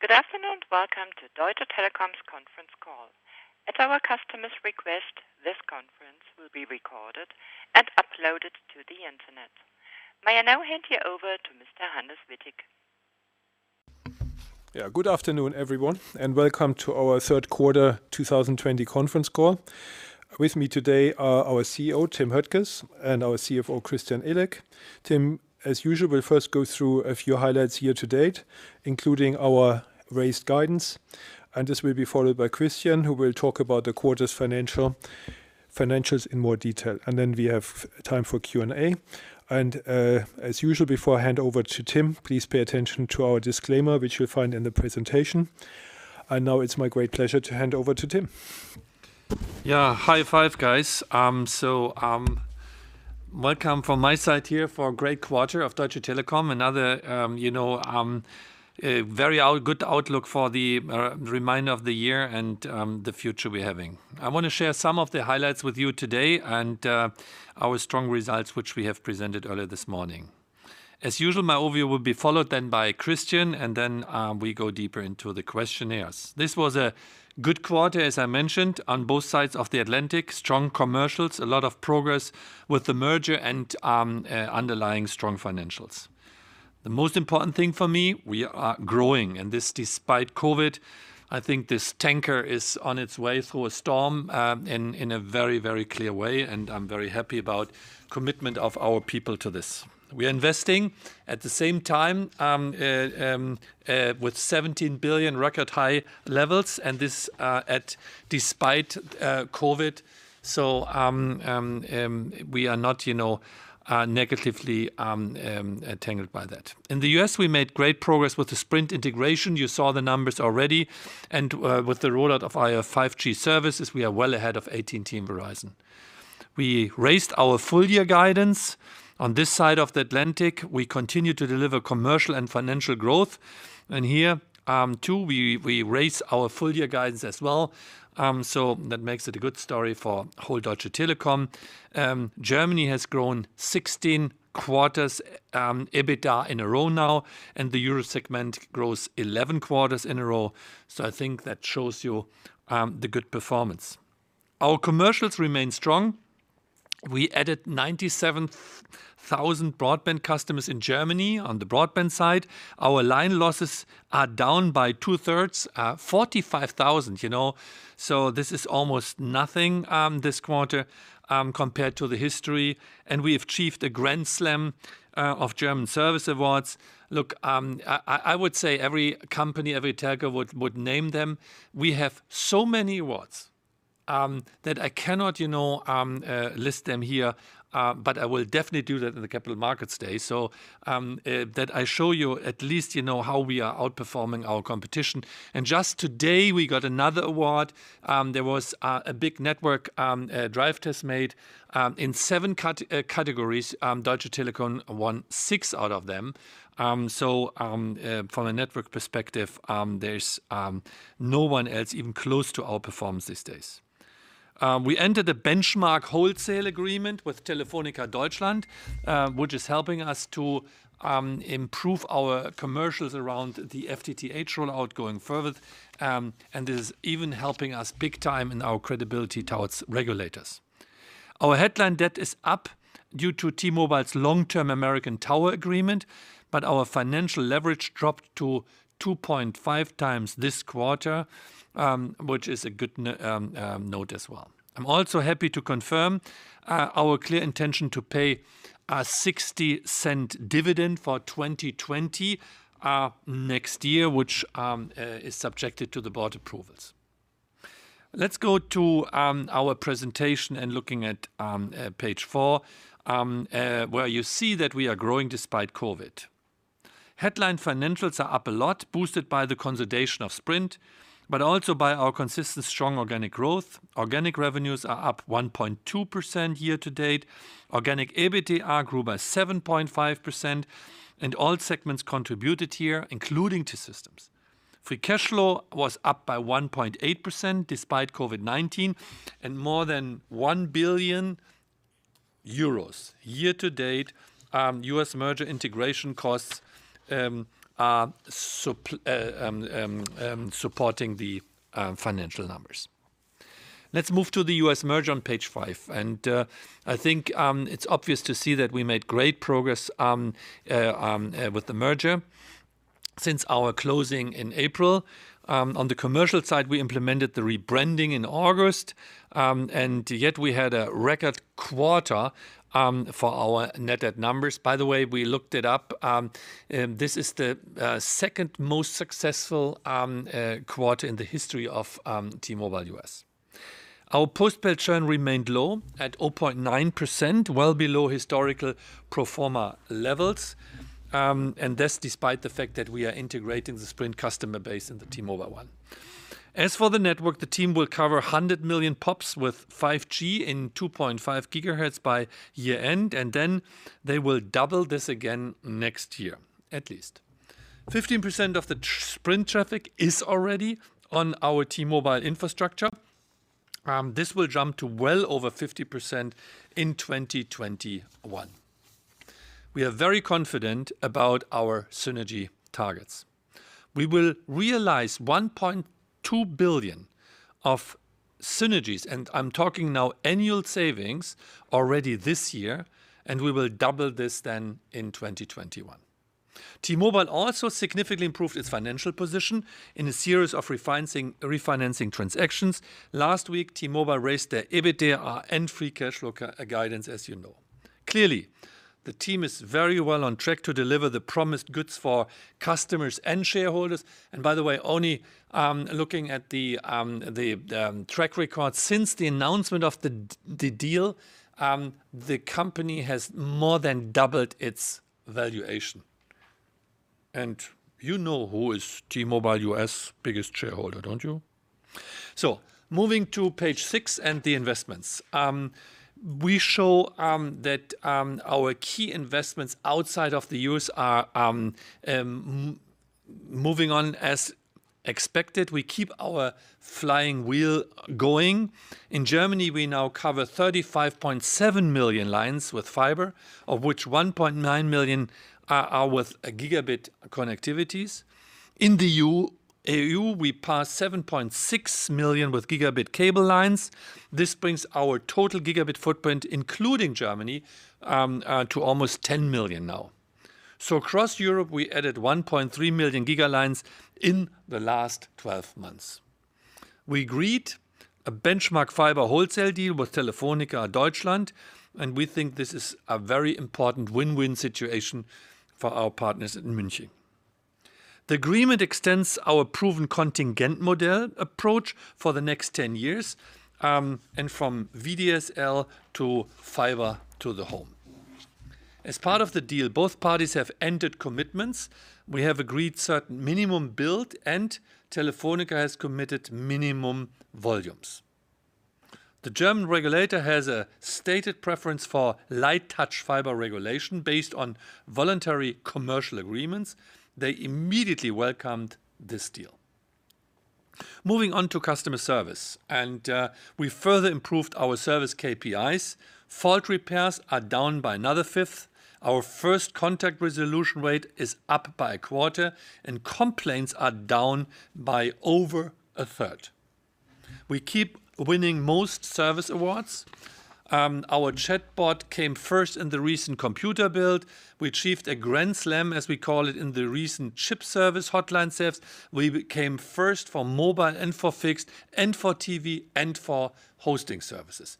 Good afternoon. Welcome to Deutsche Telekom's conference call. At our customer's request, this conference will be recorded and uploaded to the internet. May I now hand you over to Mr. Hannes Wittig. Good afternoon, everyone, and welcome to our third quarter 2020 conference call. With me today are our CEO, Tim Höttges, and our CFO, Christian Illek. Tim, as usual, will first go through a few highlights year-to-date, including our raised guidance, and this will be followed by Christian, who will talk about the quarter's financials in more detail. Then we have time for Q&A. As usual, before I hand over to Tim, please pay attention to our disclaimer, which you'll find in the presentation. Now it's my great pleasure to hand over to Tim. Yeah. High five, guys. Welcome from my side here for a great quarter of Deutsche Telekom. Another very good outlook for the remainder of the year and the future we're having. I want to share some of the highlights with you today and our strong results, which we have presented earlier this morning. As usual, my overview will be followed then by Christian, and then we go deeper into the questionnaires. This was a good quarter, as I mentioned, on both sides of the Atlantic. Strong commercials, a lot of progress with the merger, and underlying strong financials. The most important thing for me, we are growing, and this despite COVID. I think this tanker is on its way through a storm in a very clear way, and I'm very happy about commitment of our people to this. We are investing at the same time with EUR 17 billion record-high levels. This despite COVID. We are not negatively tangled by that. In the U.S., we made great progress with the Sprint integration. You saw the numbers already. With the rollout of our 5G services, we are well ahead of AT&T and Verizon. We raised our full-year guidance. On this side of the Atlantic, we continue to deliver commercial and financial growth. Here, too, we raise our full-year guidance as well. That makes it a good story for whole Deutsche Telekom. Germany has grown 16 quarters EBITDA in a row now, and the Euro segment grows 11 quarters in a row. I think that shows you the good performance. Our commercials remain strong. We added 97,000 broadband customers in Germany on the broadband side. Our line losses are down by 2/3, 45,000. This is almost nothing this quarter compared to the history. We have achieved a grand slam of German service awards. Look, I would say every company, every telco would name them. We have so many awards that I cannot list them here. I will definitely do that in the Capital Markets Day so that I show you at least how we are outperforming our competition. Just today, we got another award. There was a big network drive test made. In seven categories, Deutsche Telekom won sx out of them. From a network perspective, there's no one else even close to our performance these days. We entered a benchmark wholesale agreement with Telefónica Deutschland, which is helping us to improve our commercials around the FTTH rollout going further and is even helping us big time in our credibility towards regulators. Our headline debt is up due to T-Mobile's long-term American Tower agreement, but our financial leverage dropped to 2.5x this quarter, which is a good note as well. I'm also happy to confirm our clear intention to pay a 0.60 dividend for 2020 next year, which is subjected to the board approvals. Let's go to our presentation and looking at page four, where you see that we are growing despite COVID. Headline financials are up a lot, boosted by the consolidation of Sprint, but also by our consistent strong organic growth. Organic revenues are up 1.2% year-to-date. Organic EBITDA grew by 7.5%, and all segments contributed here, including T-Systems. Free cash flow was up by 1.8% despite COVID-19 and more than 1 billion euros year-to-date. U.S. merger integration costs are supporting the financial numbers. Let's move to the U.S. merger on page five. I think it's obvious to see that we made great progress with the merger since our closing in April. On the commercial side, we implemented the rebranding in August, yet we had a record quarter for our net add numbers. By the way, we looked it up. This is the second most successful quarter in the history of T-Mobile US. Our postpaid churn remained low at 0.9%, well below historical pro forma levels. That's despite the fact that we are integrating the Sprint customer base in the T-Mobile one. As for the network, the team will cover 100 million pops with 5G in 2.5 GHz by year-end, they will double this again next year, at least. 15% of the Sprint traffic is already on our T-Mobile infrastructure. This will jump to well over 50% in 2021. We are very confident about our synergy targets. We will realize 1.2 billion of synergies, and I'm talking now annual savings already this year, and we will double this then in 2021. T-Mobile also significantly improved its financial position in a series of refinancing transactions. Last week, T-Mobile raised their EBITDA and free cash flow guidance, as you know. Clearly, the team is very well on track to deliver the promised goods for customers and shareholders. By the way, only looking at the track record since the announcement of the deal, the company has more than doubled its valuation. You know who is T-Mobile US' biggest shareholder, don't you? Moving to page six and the investments. We show that our key investments outside of the U.S. are moving on as expected. We keep our flying wheel going. In Germany, we now cover 35.7 million lines with fiber, of which 1.9 million are with gigabit connectivities. In the EU, we passed 7.6 million with gigabit cable lines. This brings our total gigabit footprint, including Germany, to almost 10 million now. Across Europe, we added 1.3 million gigalines in the last 12 months. We agreed a benchmark fiber wholesale deal with Telefónica Deutschland, and we think this is a very important win-win situation for our partners in Münster. The agreement extends our proven contingency model approach for the next 10 years, and from VDSL to fiber to the home. As part of the deal, both parties have entered commitments. We have agreed certain minimum build and Telefónica has committed minimum volumes. The German regulator has a stated preference for light-touch fiber regulation based on voluntary commercial agreements. They immediately welcomed this deal. Moving on to customer service. We further improved our service KPIs. Fault repairs are down by another 1/5. Our first contact resolution rate is up by a quarter, and complaints are down by over a third. We keep winning most service awards. Our chatbot came first in the recent Computer Bild. We achieved a grand slam, as we call it, in the recent CHIP service hotline saves. We came first for mobile and for fixed and for TV and for hosting services.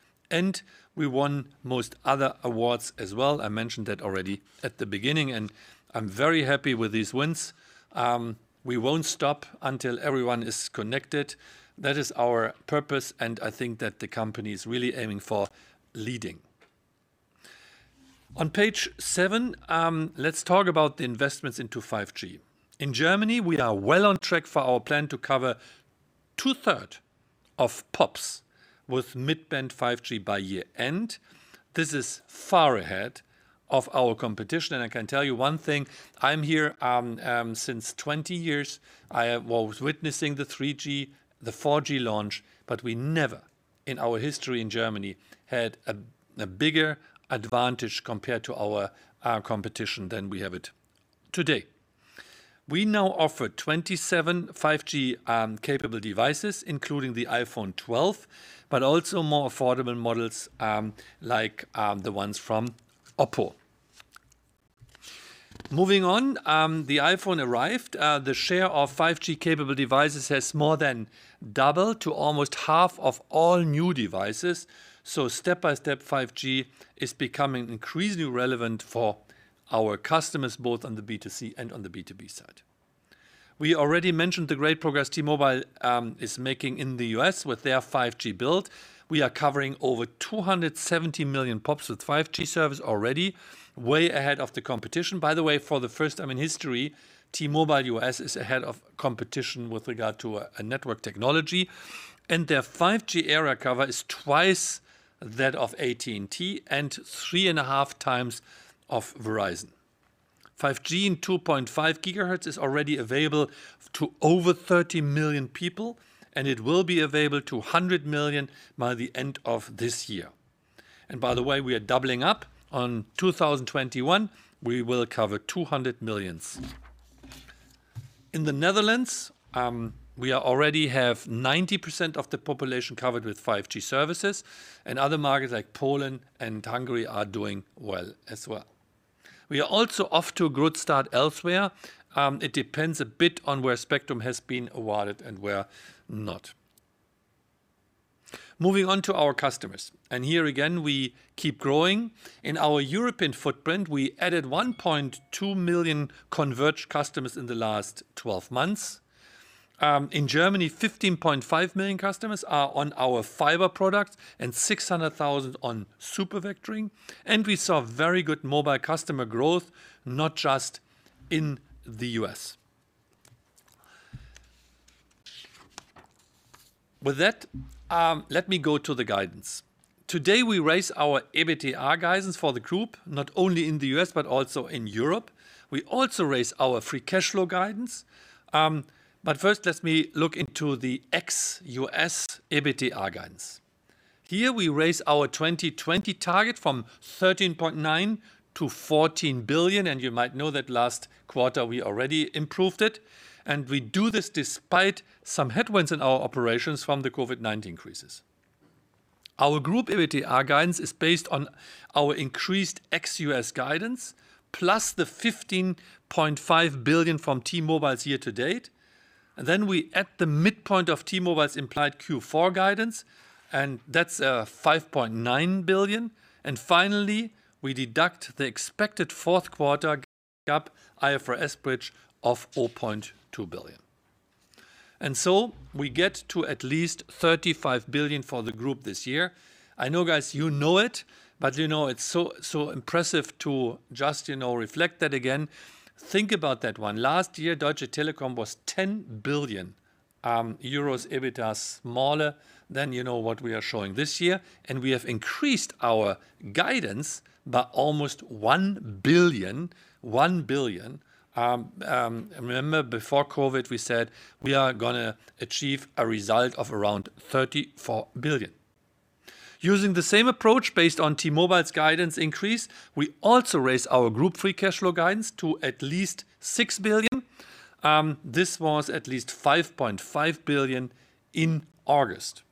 We won most other awards as well. I mentioned that already at the beginning, and I'm very happy with these wins. We won't stop until everyone is connected. That is our purpose, and I think that the company is really aiming for leading. On page seven, let's talk about the investments into 5G. In Germany, we are well on track for our plan to cover 2/3 of pops with mid-band 5G by year-end. This is far ahead of our competition. I can tell you one thing, I'm here since 20 years, I was witnessing the 3G, the 4G launch, we never in our history in Germany had a bigger advantage compared to our competition than we have it today. We now offer 27 5G-capable devices, including the iPhone 12, but also more affordable models like the ones from Oppo. Moving on, the iPhone arrived. The share of 5G-capable devices has more than doubled to almost half of all new devices. Step by step, 5G is becoming increasingly relevant for our customers, both on the B2C and on the B2B side. We already mentioned the great progress T-Mobile is making in the U.S. with their 5G build. We are covering over 270 million pops with 5G service already, way ahead of the competition. For the first time in history, T-Mobile US is ahead of competition with regard to network technology. Their 5G area cover is twice that of AT&T and three and a half times of Verizon. 5G in 2.5 GHz is already available to over 30 million people. It will be available to 100 million by the end of this year. By the way, we are doubling up on 2021. We will cover 200 million. In the Netherlands, we already have 90% of the population covered with 5G services. Other markets like Poland and Hungary are doing well as well. We are also off to a good start elsewhere. It depends a bit on where spectrum has been awarded and where not. Moving on to our customers. Here again, we keep growing. In our European footprint, we added 1.2 million converged customers in the last 12 months. In Germany, 15.5 million customers are on our fiber product and 600,000 on super vectoring. We saw very good mobile customer growth, not just in the U.S. With that, let me go to the guidance. Today, we raise our EBITDA guidance for the group, not only in the U.S. but also in Europe. We also raise our free cash flow guidance. First, let me look into the ex U.S. EBITDA guidance. Here, we raise our 2020 target from 13.9 billion to 14 billion, and you might know that last quarter we already improved it. We do this despite some headwinds in our operations from the COVID-19 crisis. Our group EBITDA guidance is based on our increased ex U.S. guidance, plus the 15.5 billion from T-Mobile year to date. We add the midpoint of T-Mobile's implied Q4 guidance, and that's 5.9 billion. Finally, we deduct the expected fourth quarter GAAP IFRS bridge of 0.2 billion. We get to at least 35 billion for the group this year. I know, guys, you know it, but it's so impressive to just reflect that again. Think about that one. Last year, Deutsche Telekom was 10 billion euros EBITDA smaller than what we are showing this year, and we have increased our guidance by almost EUR 1 billion. Remember, before COVID, we said we are going to achieve a result of around 34 billion. Using the same approach based on T-Mobile's guidance increase, we also raise our group free cash flow guidance to at least 6 billion. This was at least 5.5 billion in August.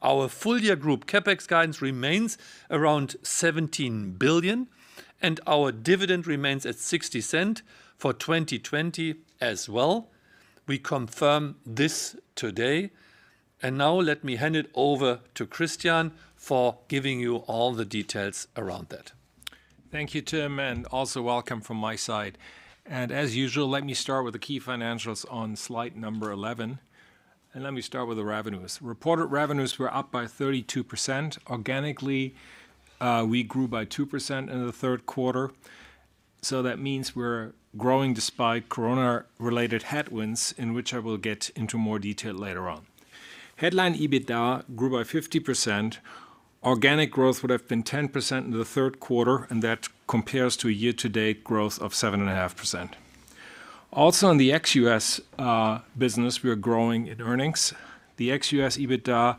Our full year group CapEx guidance remains around 17 billion. Our dividend remains at 0.60 for 2020 as well. We confirm this today. Now let me hand it over to Christian for giving you all the details around that. Thank you, Tim, and also welcome from my side. As usual, let me start with the key financials on slide number 11, and let me start with the revenues. Reported revenues were up by 32%. Organically, we grew by 2% in the third quarter. That means we're growing despite corona-related headwinds, in which I will get into more detail later on. Headline EBITDA grew by 50%. Organic growth would have been 10% in the third quarter, and that compares to a year-to-date growth of 7.5%. Also in the ex U.S. business, we are growing in earnings. The ex U.S. EBITDA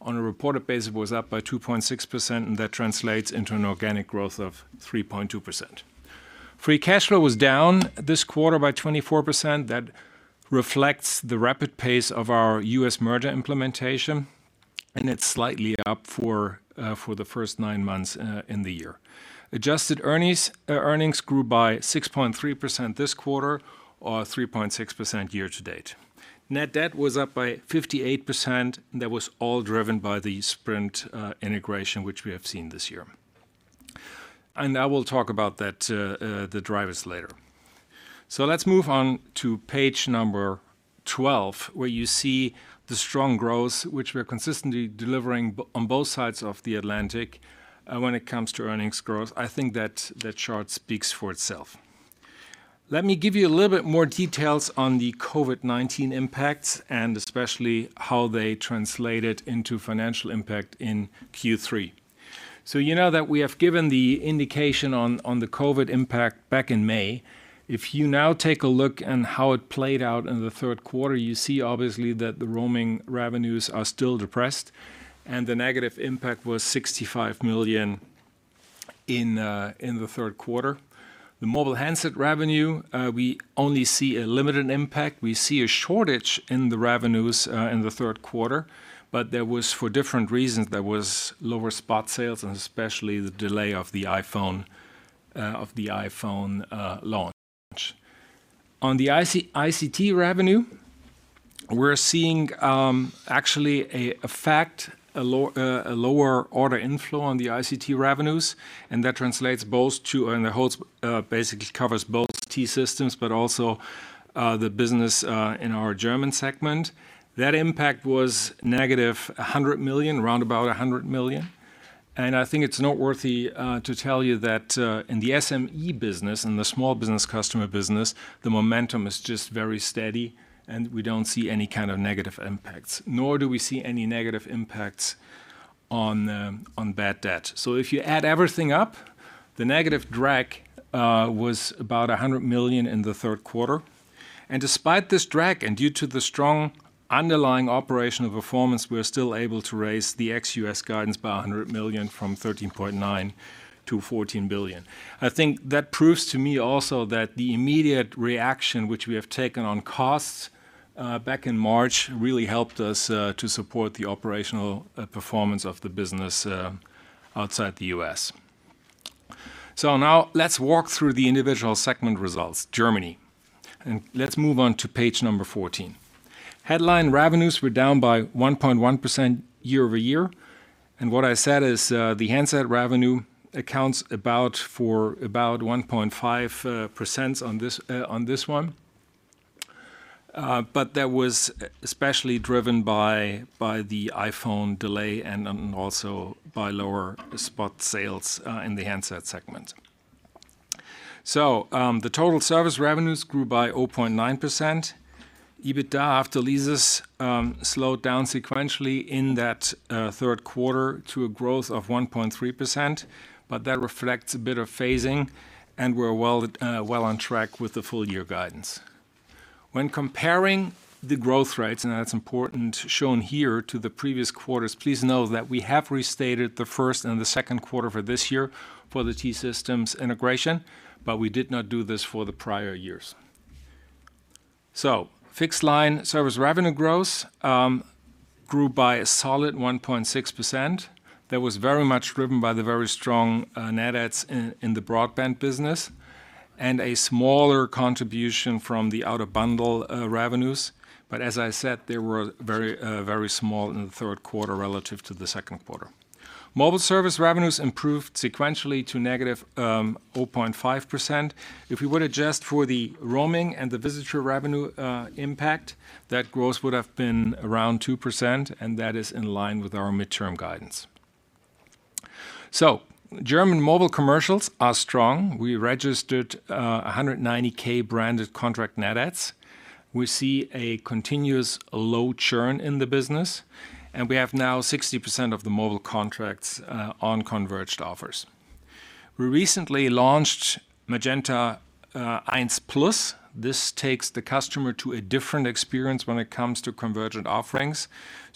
on a reported basis was up by 2.6%, and that translates into an organic growth of 3.2%. Free cash flow was down this quarter by 24%. That reflects the rapid pace of our U.S. merger implementation, and it's slightly up for the first nine months in the year. Adjusted earnings grew by 6.3% this quarter, or 3.6% year-to-date. Net debt was up by 58%, that was all driven by the Sprint integration, which we have seen this year. I will talk about the drivers later. Let's move on to page number 12, where you see the strong growth, which we are consistently delivering on both sides of the Atlantic when it comes to earnings growth. I think that chart speaks for itself. Let me give you a little bit more details on the COVID-19 impacts and especially how they translated into financial impact in Q3. You know that we have given the indication on the COVID impact back in May. If you now take a look at how it played out in the third quarter, you see obviously that the roaming revenues are still depressed and the negative impact was 65 million in the third quarter. The mobile handset revenue, we only see a limited impact. We see a shortage in the revenues in the third quarter, but that was for different reasons. There was lower spot sales, and especially the delay of the iPhone launch. On the ICT revenue, we're seeing actually a lower order inflow on the ICT revenues, and that translates both to, and basically covers both T-Systems but also the business in our German segment. That impact was -100 million, round about 100 million. I think it's noteworthy to tell you that in the SME business, in the small business customer business, the momentum is just very steady and we don't see any kind of negative impacts. Nor do we see any negative impacts on bad debt. If you add everything up, the negative drag was about 100 million in the third quarter. Despite this drag and due to the strong underlying operational performance, we're still able to raise the ex U.S. guidance by 100 million from 13.9 billion to 14 billion. I think that proves to me also that the immediate reaction which we have taken on costs back in March really helped us to support the operational performance of the business outside the U.S. Now let's walk through the individual segment results. Germany. Let's move on to page number 14. Headline revenues were down by 1.1% year-over-year. What I said is the handset revenue accounts for about 1.5% on this one. That was especially driven by the iPhone delay and also by lower spot sales in the handset segment. The total service revenues grew by 0.9%. EBITDA after leases slowed down sequentially in that third quarter to a growth of 1.3%, but that reflects a bit of phasing, and we're well on track with the full-year guidance. When comparing the growth rates, and that's important, shown here to the previous quarters, please note that we have restated the first and the second quarter for this year for the T-Systems integration, but we did not do this for the prior years. Fixed line service revenue growth grew by a solid 1.6%. That was very much driven by the very strong net adds in the broadband business and a smaller contribution from the out-of-bundle revenues. As I said, they were very small in the third quarter relative to the second quarter. Mobile service revenues improved sequentially to -0.5%. If we were to adjust for the roaming and the visitor revenue impact, that growth would have been around 2%, and that is in line with our midterm guidance. German mobile commercials are strong. We registered 190,000 branded contract net adds. We see a continuous low churn in the business, and we have now 60% of the mobile contracts on converged offers. We recently launched MagentaEINS Plus. This takes the customer to a different experience when it comes to convergent offerings.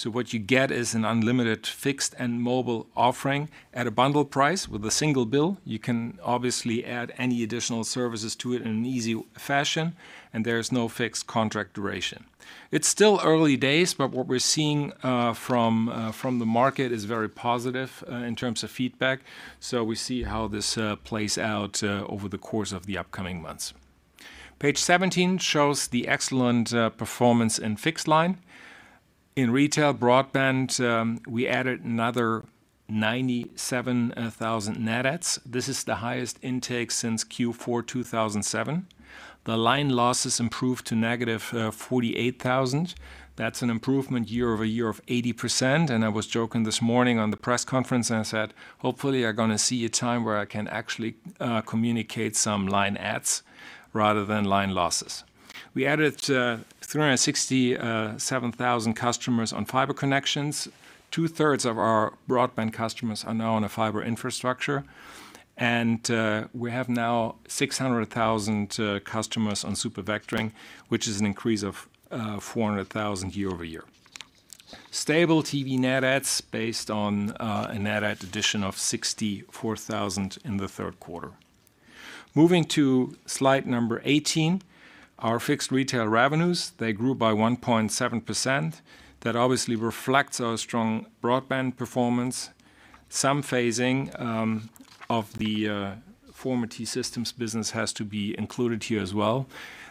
What you get is an unlimited fixed and mobile offering at a bundle price with a single bill. You can obviously add any additional services to it in an easy fashion. There is no fixed contract duration. It's still early days. What we're seeing from the market is very positive in terms of feedback. We see how this plays out over the course of the upcoming months. Page 17 shows the excellent performance in fixed line. In retail broadband, we added another 97,000 net adds. This is the highest intake since Q4 2007. The line losses improved to -48,000. That's an improvement year-over-year of 80%. I was joking this morning on the press conference. I said, "Hopefully, you're going to see a time where I can actually communicate some line adds rather than line losses." We added 367,000 customers on fiber connections. 2/3 of our broadband customers are now on a fiber infrastructure. We have now 600,000 customers on super-vectoring, which is an increase of 400,000 year-over-year. Stable TV net adds based on a net add addition of 64,000 in the third quarter. Moving to slide number 18, our fixed retail revenues, they grew by 1.7%. That obviously reflects our strong broadband performance. Some phasing of the former T-Systems business has to be included here as well.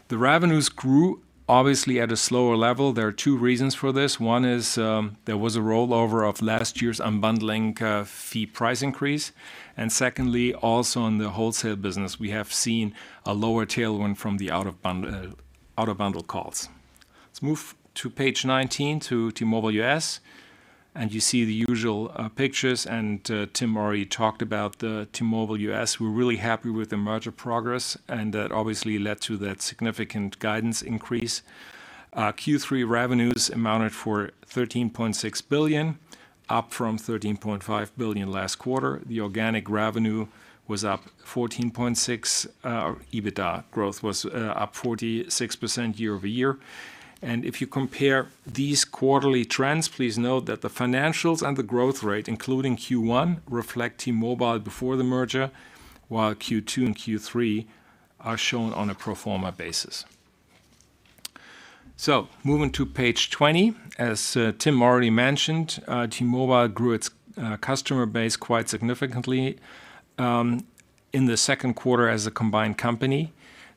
The revenues grew obviously at a slower level. There are two reasons for this. One is there was a rollover of last year's unbundling fee price increase. Secondly, also in the wholesale business, we have seen a lower tailwind from the out-of-bundle calls. Let's move to page 19 to T-Mobile US, and you see the usual pictures, and Tim already talked about the T-Mobile US. We're really happy with the merger progress, and that obviously led to that significant guidance increase. Q3 revenues amounted for 13.6 billion, up from 13.5 billion last quarter. The organic revenue was up 14.6%. EBITDA growth was up 46% year-over-year. If you compare these quarterly trends, please note that the financials and the growth rate, including Q1, reflect T-Mobile before the merger, while Q2 and Q3 are shown on a pro forma basis. Moving to page 20. As Tim already mentioned, T-Mobile grew its customer base quite significantly in the second quarter as a combined company.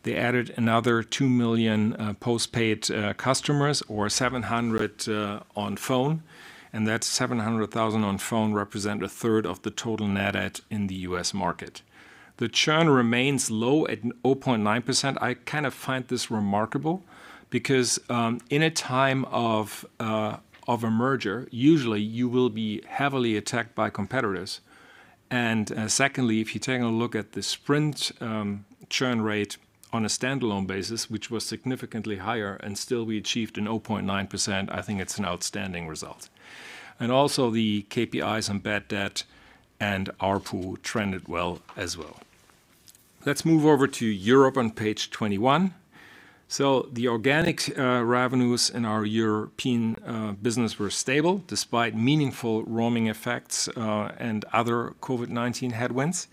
They added another 2 million postpaid customers or 700,000 on phone, and that 700,000 on phone represent 1/3 of the total net add in the U.S. market. The churn remains low at 0.9%. I find this remarkable because in a time of a merger, usually you will be heavily attacked by competitors. Secondly, if you take a look at the Sprint churn rate on a standalone basis, which was significantly higher, still we achieved an 0.9%, I think it's an outstanding result. Also, the KPIs on bad debt and ARPU trended well as well. Let's move over to Europe on page 21. The organic revenues in our European business were stable despite meaningful roaming effects and other COVID-19 headwinds.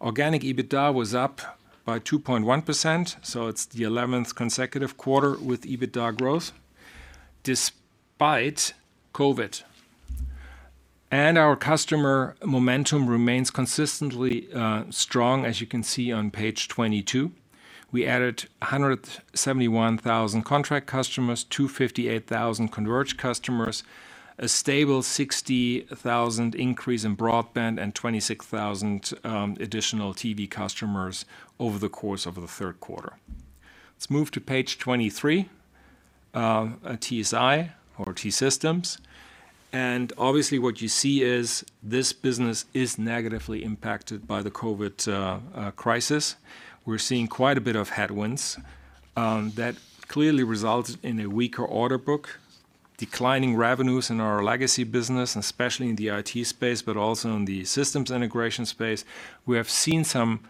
Organic EBITDA was up by 2.1%, it's the 11th consecutive quarter with EBITDA growth despite COVID. Our customer momentum remains consistently strong, as you can see on page 22. We added 171,000 contract customers, 258,000 converged customers, a stable 60,000 increase in broadband, and 26,000 additional TV customers over the course of the third quarter. Let's move to page 23, TSI or T-Systems. Obviously what you see is this business is negatively impacted by the COVID crisis. We're seeing quite a bit of headwinds that clearly result in a weaker order book, declining revenues in our legacy business, especially in the IT space, but also in the systems integration space. We have seen some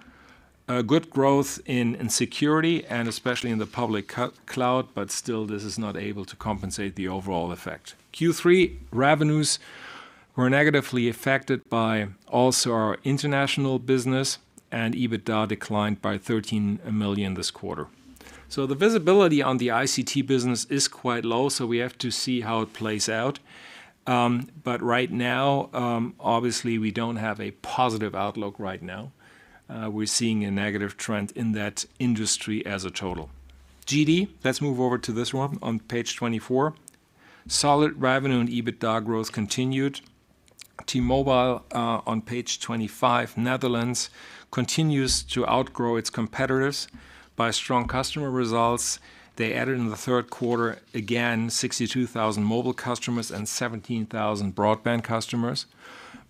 good growth in security and especially in the public cloud, but still this is not able to compensate the overall effect. Q3 revenues were negatively affected by also our international business, and EBITDA declined by 13 million this quarter. The visibility on the ICT business is quite low, we have to see how it plays out. Right now, obviously we don't have a positive outlook right now. We're seeing a negative trend in that industry as a total. GD, let's move over to this one on page 24. Solid revenue and EBITDA growth continued. T-Mobile, on page 25, Netherlands continues to outgrow its competitors by strong customer results. They added in the third quarter, again, 62,000 mobile customers and 17,000 broadband customers.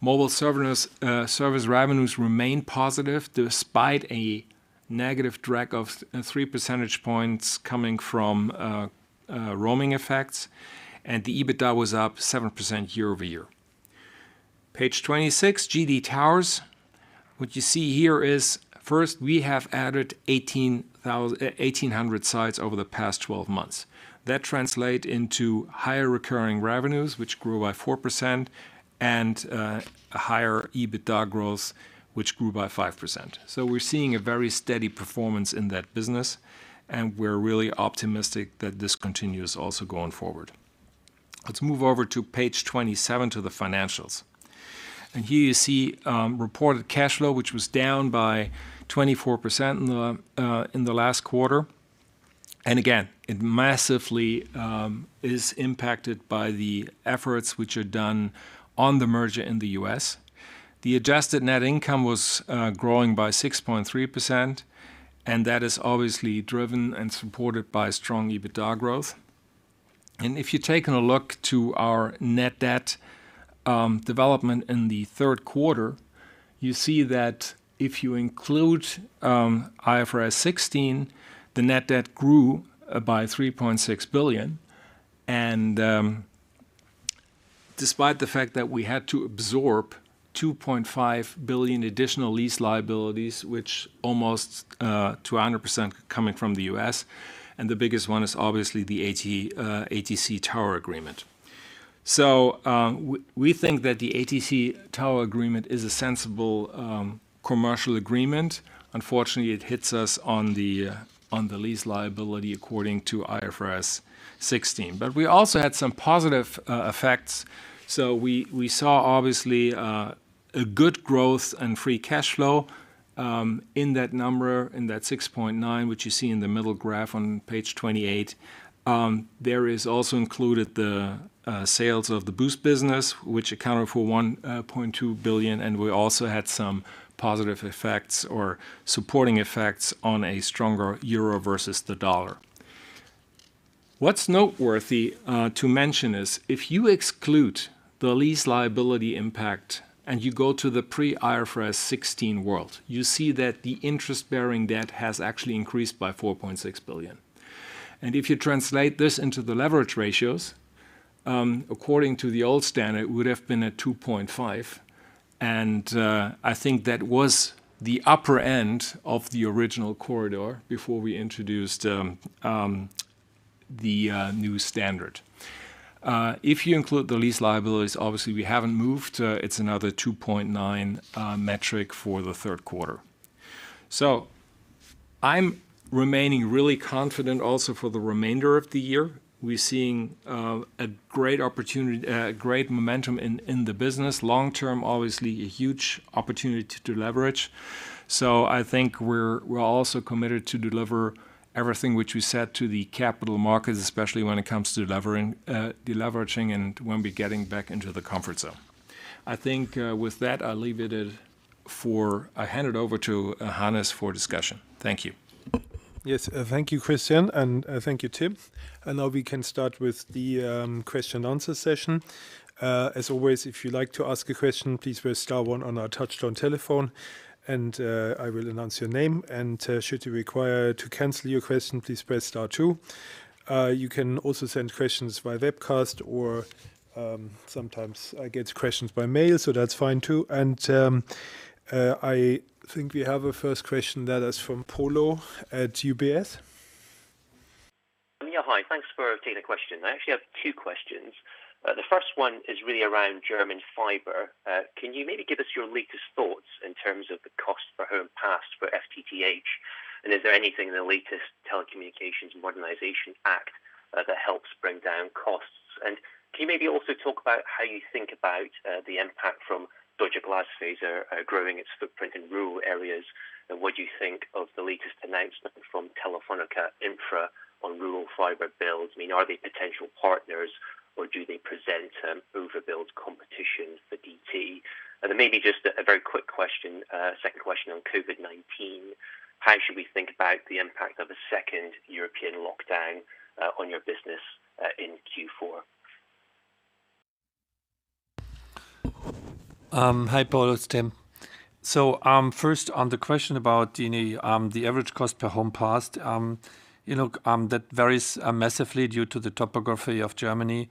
Mobile service revenues remain positive despite a negative drag of 3 percentage points coming from roaming effects, and the EBITDA was up 7% year-over-year. Page 26, GD Towers. What you see here is first we have added 1,800 sites over the past 12 months. That translate into higher recurring revenues, which grew by 4%, and a higher EBITDA growth, which grew by 5%. We're seeing a very steady performance in that business, and we're really optimistic that this continues also going forward. Let's move over to page 27 to the financials. Here you see reported cash flow, which was down by 24% in the last quarter. Again, it massively is impacted by the efforts which are done on the merger in the U.S. The adjusted net income was growing by 6.3%, that is obviously driven and supported by strong EBITDA growth. If you've taken a look to our net debt development in the third quarter, you see that if you include IFRS 16, the net debt grew by 3.6 billion. Despite the fact that we had to absorb 2.5 billion additional lease liabilities, which almost to 100% coming from the U.S. and the biggest one is obviously the ATC tower agreement. We think that the ATC tower agreement is a sensible commercial agreement. Unfortunately, it hits us on the lease liability according to IFRS 16. We also had some positive effects. We saw obviously, a good growth in free cash flow, in that number, in that 6.9, which you see in the middle graph on page 28. There is also included the sales of the Boost business, which accounted for 1.2 billion. We also had some positive effects or supporting effects on a stronger euro versus the dollar. What is noteworthy to mention is if you exclude the lease liability impact and you go to the pre IFRS 16 world, you see that the interest-bearing debt has actually increased by 4.6 billion. If you translate this into the leverage ratios, according to the old standard, it would have been a 2.5. I think that was the upper end of the original corridor before we introduced the new standard. If you include the lease liabilities, obviously we haven't moved. It is another 2.9 metric for the third quarter. I am remaining really confident also for the remainder of the year. We are seeing a great momentum in the business. Long term, obviously, a huge opportunity to deleverage. I think we're also committed to deliver everything which we said to the capital markets, especially when it comes to deleveraging and when we're getting back into the comfort zone. I think with that, I hand it over to Hannes for discussion. Thank you. Yes. Thank you, Christian, and thank you, Tim. Now we can start with the question-and-answer session. As always, if you'd like to ask a question, please press star one on our touch-tone telephone and I will announce your name, and should you require to cancel your question, please press star two. You can also send questions via webcast or sometimes I get questions by mail, so that's fine, too. I think we have a first question that is from Polo at UBS. Yeah. Hi. Thanks for taking the question. I actually have two questions. The first one is really around German fiber. Can you maybe give us your latest thoughts in terms of the cost per home passed for FTTH, and is there anything in the latest Telecommunications Modernization Act that helps bring down costs? Can you maybe also talk about how you think about the impact from Deutsche Glasfaser growing its footprint in rural areas, and what you think of the latest announcement from Telefónica Infra on rural fiber builds? Are they potential partners or do they present overbuild competition for DT? Then maybe just a very quick question, second question on COVID-19. How should we think about the impact of a second European lockdown on your business in Q4? Hi, Polo. It's Tim. First, on the question about the average cost per home passed, that varies massively due to the topography of Germany.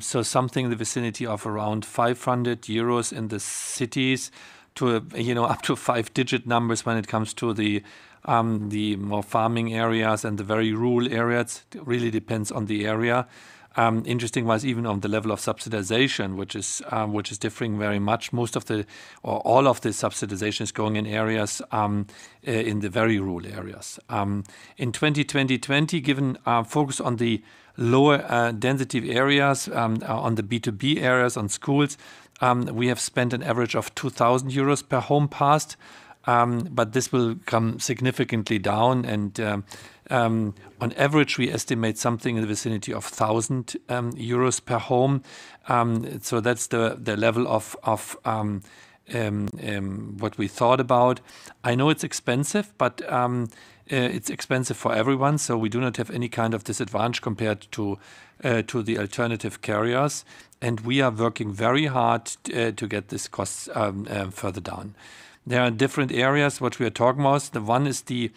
Something in the vicinity of around 500 euros in the cities up to five-digit numbers when it comes to the more farming areas and the very rural areas. It really depends on the area. Interestingly, even on the level of subsidization, which is differing very much, all of the subsidization is going in the very rural areas. In 2020, given our focus on the lower density areas, on the B2B areas, on schools, we have spent an average of 2,000 euros per home passed. This will come significantly down and, on average, we estimate something in the vicinity of 1,000 euros per home. That's the level of what we thought about. I know it's expensive, but it's expensive for everyone, so we do not have any kind of disadvantage compared to the alternative carriers. We are working very hard to get these costs further down. There are different areas that we are talking about. The one is the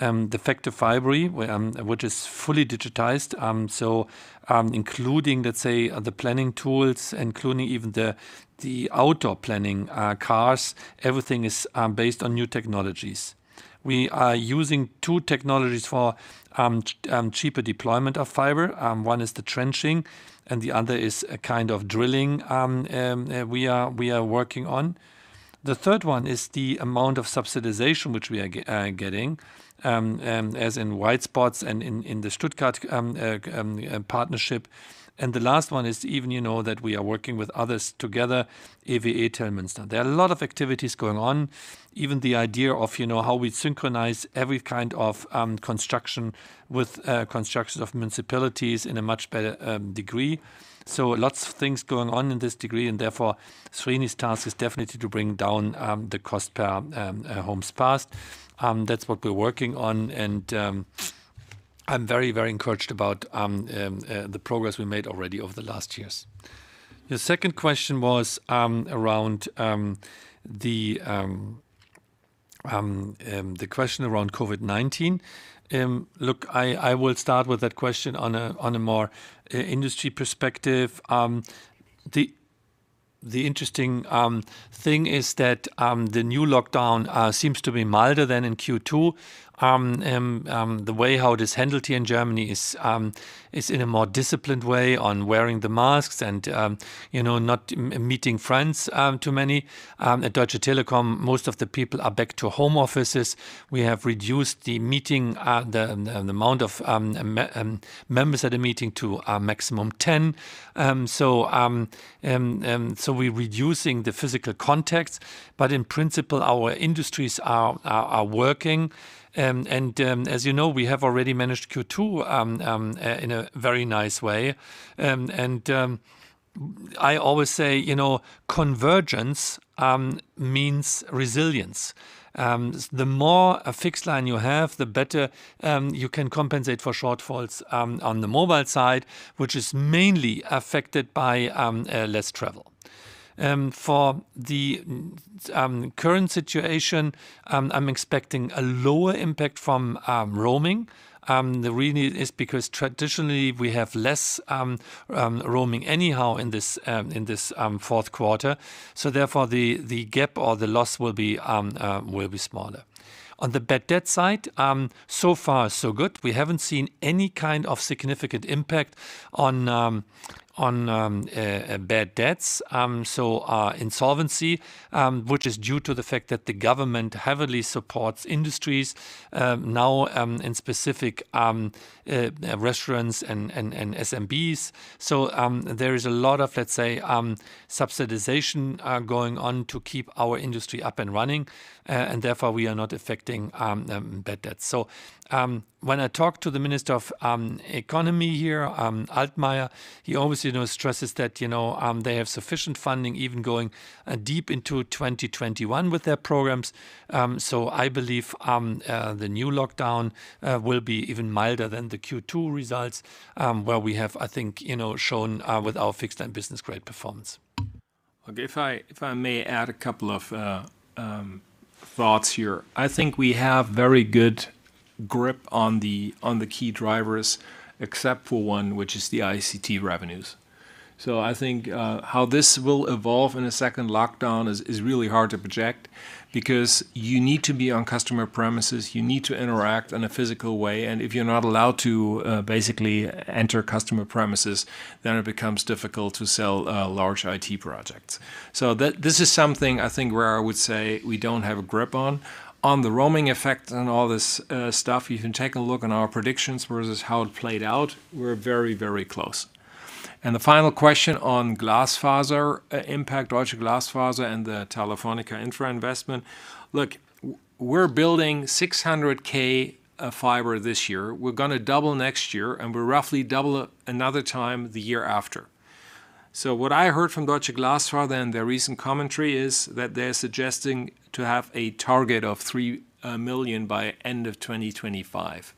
effective fiberization, which is fully digitized. Including, let's say, the planning tools, including even the outdoor planning cars, everything is based on new technologies. We are using two technologies for cheaper deployment of fiber. One is the trenching and the other is a kind of drilling we are working on. The third one is the amount of subsidization which we are getting, as in white spots and in the Stuttgart partnership. The last one is even that we are working with others together, AVA Telematics. There are a lot of activities going on, even the idea of how we synchronize every kind of construction with construction of municipalities in a much better degree. Lots of things going on in this degree, and therefore Srini's task is definitely to bring down the cost per homes passed. That's what we're working on and I'm very encouraged about the progress we made already over the last years. The second question was around COVID-19. Look, I will start with that question on a more industry perspective. The interesting thing is that the new lockdown seems to be milder than in Q2. The way how it is handled here in Germany is in a more disciplined way on wearing the masks and not meeting friends too many. At Deutsche Telekom, most of the people are back to home offices. We have reduced the amount of members at a meeting to a maximum 10. We're reducing the physical contact, but in principle, our industries are working. As you know, we have already managed Q2 in a very nice way. I always say, convergence means resilience. The more fixed line you have, the better you can compensate for shortfalls on the mobile side, which is mainly affected by less travel. For the current situation, I'm expecting a lower impact from roaming. The reason is because traditionally we have less roaming anyhow in this fourth quarter. Therefore, the gap or the loss will be smaller. On the bad debt side, so far so good. We haven't seen any kind of significant impact on bad debts. Insolvency, which is due to the fact that the government heavily supports industries, now in specific restaurants and SMBs. There is a lot of, let's say, subsidization going on to keep our industry up and running, and therefore we are not affecting bad debts. When I talk to the Minister of Economy here, Altmaier, he always stresses that they have sufficient funding even going deep into 2021 with their programs. I believe the new lockdown will be even milder than the Q2 results, where we have, I think, shown with our fixed line business great performance. Okay, if I may add a couple of thoughts here. I think we have very good grip on the key drivers except for one, which is the ICT revenues. I think how this will evolve in a second lockdown is really hard to project because you need to be on customer premises, you need to interact in a physical way, and if you're not allowed to basically enter customer premises, then it becomes difficult to sell large IT projects. This is something I think where I would say we don't have a grip on. On the roaming effect and all this stuff, you can take a look on our predictions versus how it played out. We're very close. The final question on Glasfaser impact, Deutsche Glasfaser and the Telefónica Infra investment. Look, we're building 600,000 fiber this year. We're going to double next year, and we'll roughly double another time the year after. What I heard from Deutsche Glasfaser and their recent commentary is that they're suggesting to have a target of 3 million by end of 2025.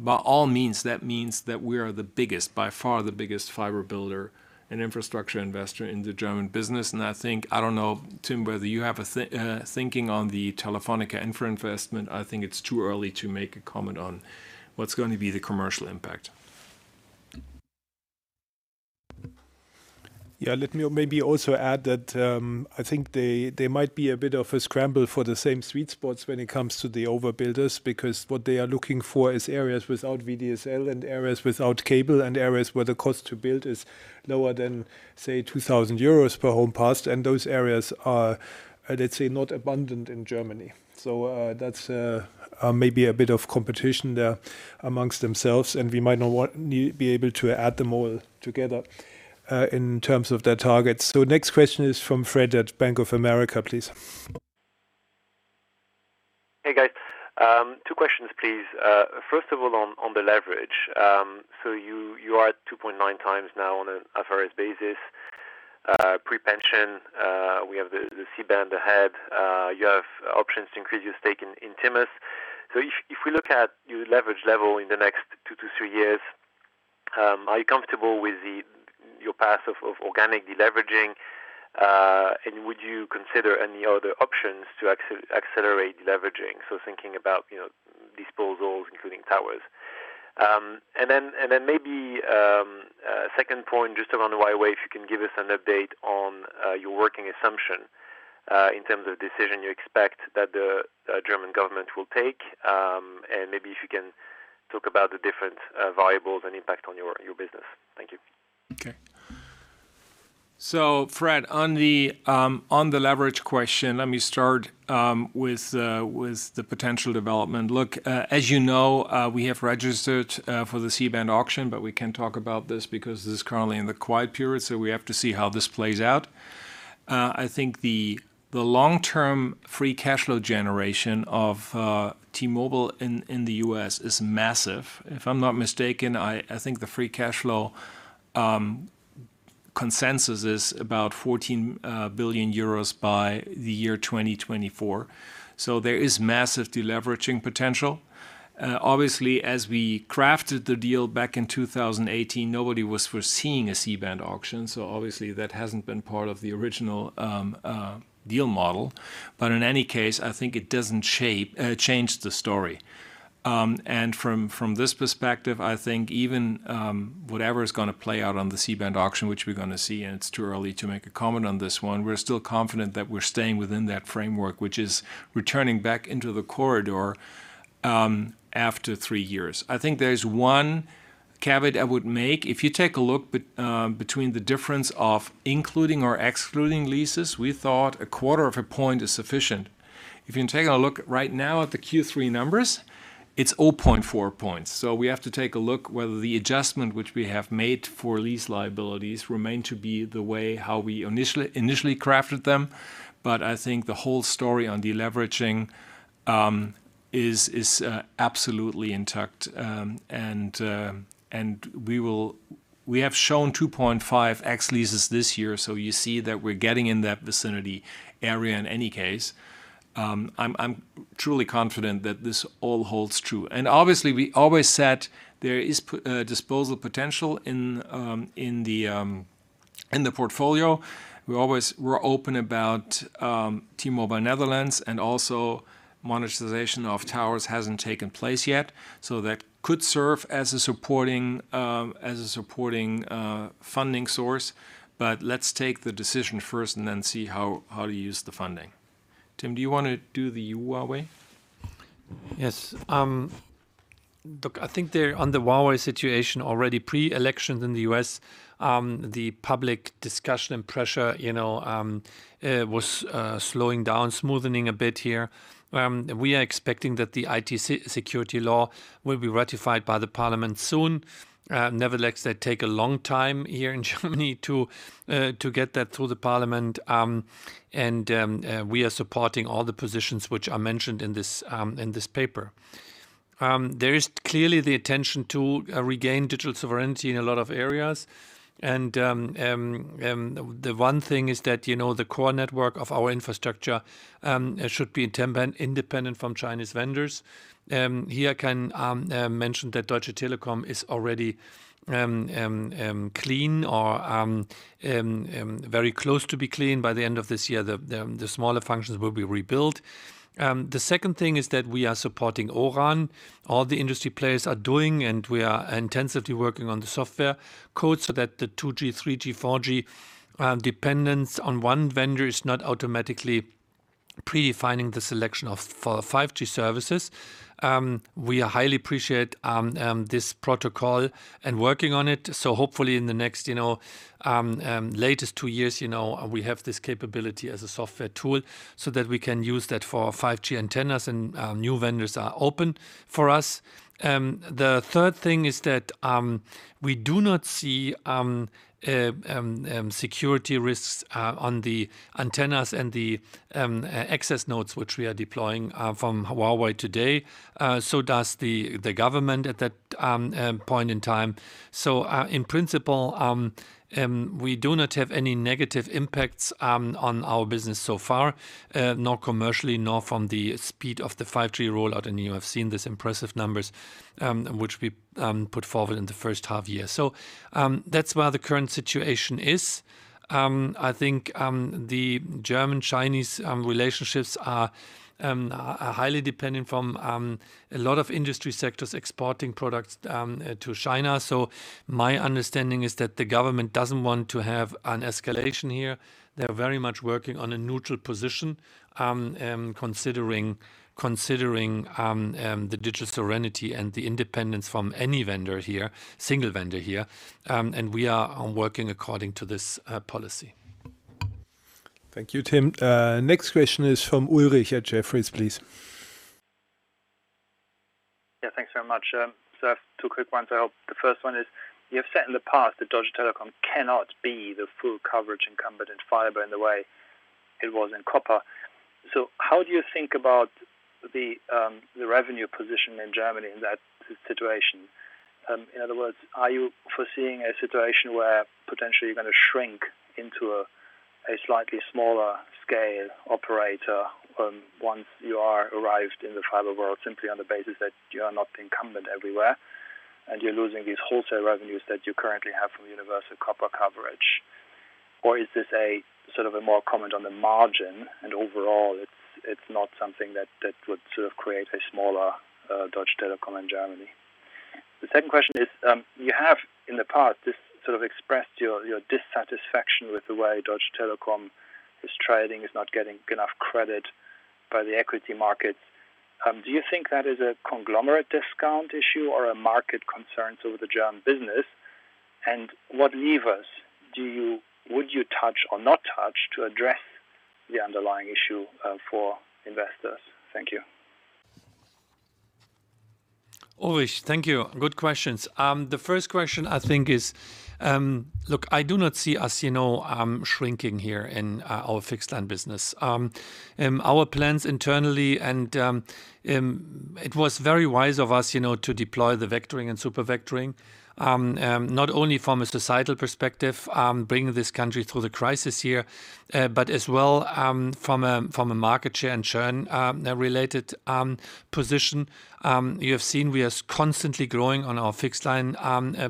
By all means, that means that we are the biggest, by far the biggest fiber builder and infrastructure investor in the German business. I think, I don't know, Tim, whether you have a thinking on the Telefónica Infra investment. I think it's too early to make a comment on what's going to be the commercial impact. Yeah, let me maybe also add that I think there might be a bit of a scramble for the same sweet spots when it comes to the overbuilders, because what they are looking for is areas without VDSL and areas without cable and areas where the cost to build is lower than, say, 2,000 euros per home passed. Those areas are, let's say, not abundant in Germany. That's maybe a bit of competition there amongst themselves, and we might not be able to add them all together in terms of their targets. Next question is from Fred at Bank of America, please. Hey, guys. Two questions, please. First of all, on the leverage. You are at 2.9x now on an IFRS basis. Pre-pension, we have the C-band ahead. You have options to increase your stake in TMUS. If we look at your leverage level in the next two to three years, are you comfortable with your path of organic deleveraging? Would you consider any other options to accelerate deleveraging? Thinking about disposals, including towers. Maybe a second point just around Huawei, if you can give us an update on your working assumption in terms of decision you expect that the German government will take, and maybe if you can talk about the different variables and impact on your business. Thank you. Okay. Fred, on the leverage question, let me start with the potential development. Look, as you know, we have registered for the C-band auction, we can talk about this because this is currently in the quiet period, we have to see how this plays out. I think the long-term free cash flow generation of T-Mobile in the U.S. is massive. If I'm not mistaken, I think the free cash flow consensus is about 14 billion euros by the year 2024. There is massive deleveraging potential. Obviously, as we crafted the deal back in 2018, nobody was foreseeing a C-band auction, obviously that hasn't been part of the original deal model. In any case, I think it doesn't change the story. From this perspective, I think even whatever is going to play out on the C-band auction, which we're going to see, and it's too early to make a comment on this one, we're still confident that we're staying within that framework, which is returning back into the corridor after three years. I think there's one caveat I would make. If you take a look between the difference of including or excluding leases, we thought a quarter of a point is sufficient. If you take a look right now at the Q3 numbers, it's 0.4 points. We have to take a look whether the adjustment which we have made for lease liabilities remain to be the way how we initially crafted them. I think the whole story on deleveraging is absolutely intact. We have shown 2.5 ex leases AL this year, you see that we're getting in that vicinity area in any case. I'm truly confident that this all holds true. Obviously, we always said there is disposal potential in the portfolio. We always were open about T-Mobile Netherlands and also monetization of towers hasn't taken place yet. That could serve as a supporting funding source. Let's take the decision first and then see how to use the funding. Tim, do you want to do the Huawei? Yes. Look, I think on the Huawei situation already pre-election in the U.S., the public discussion and pressure was slowing down, smoothening a bit here. We are expecting that the IT Security Law will be ratified by the parliament soon. Nevertheless, they take a long time here in Germany to get that through the parliament. We are supporting all the positions which are mentioned in this paper. There is clearly the attention to regain digital sovereignty in a lot of areas. The one thing is that the core network of our infrastructure should be independent from Chinese vendors. Here I can mention that Deutsche Telekom is already clean or very close to be clean by the end of this year. The smaller functions will be rebuilt. The second thing is that we are supporting O-RAN. All the industry players are doing, we are intensively working on the software codes so that the 2G, 3G, 4G dependence on one vendor is not automatically predefining the selection of 5G services. We highly appreciate this protocol and working on it. Hopefully in the next latest two years, we have this capability as a software tool so that we can use that for 5G antennas and new vendors are open for us. The third thing is that we do not see security risks on the antennas and the access nodes which we are deploying from Huawei today, so does the government at that point in time. In principle, we do not have any negative impacts on our business so far, nor commercially, nor from the speed of the 5G rollout. You have seen these impressive numbers, which we put forward in the first half year. That's where the current situation is. I think the German-Chinese relationships are highly dependent from a lot of industry sectors exporting products to China. My understanding is that the government doesn't want to have an escalation here. They're very much working on a neutral position, considering the digital sovereignty and the independence from any vendor here, single vendor here. We are working according to this policy. Thank you, Tim. Next question is from Ulrich at Jefferies, please. Thanks very much. I have two quick ones I hope. The first one is, you have said in the past that Deutsche Telekom cannot be the full coverage incumbent in fiber in the way it was in copper. How do you think about the revenue position in Germany in that situation? In other words, are you foreseeing a situation where potentially you're going to shrink into a slightly smaller scale operator, once you are arrived in the fiber world simply on the basis that you are not incumbent everywhere and you're losing these wholesale revenues that you currently have from universal copper coverage? Is this a sort of a more comment on the margin and overall, it's not something that would sort of create a smaller Deutsche Telekom in Germany? The second question is, you have in the past just sort of expressed your dissatisfaction with the way Deutsche Telekom is trading, is not getting enough credit by the equity markets. Do you think that is a conglomerate discount issue or a market concern to the German business? What levers would you touch or not touch to address the underlying issue for investors? Thank you. Ulrich, thank you. Good questions. The first question, I think is, look, I do not see us shrinking here in our fixed line business. Our plans internally and it was very wise of us to deploy the vectoring and super vectoring, not only from a societal perspective, bringing this country through the crisis here, but as well from a market share and churn related position. You have seen we are constantly growing on our fixed line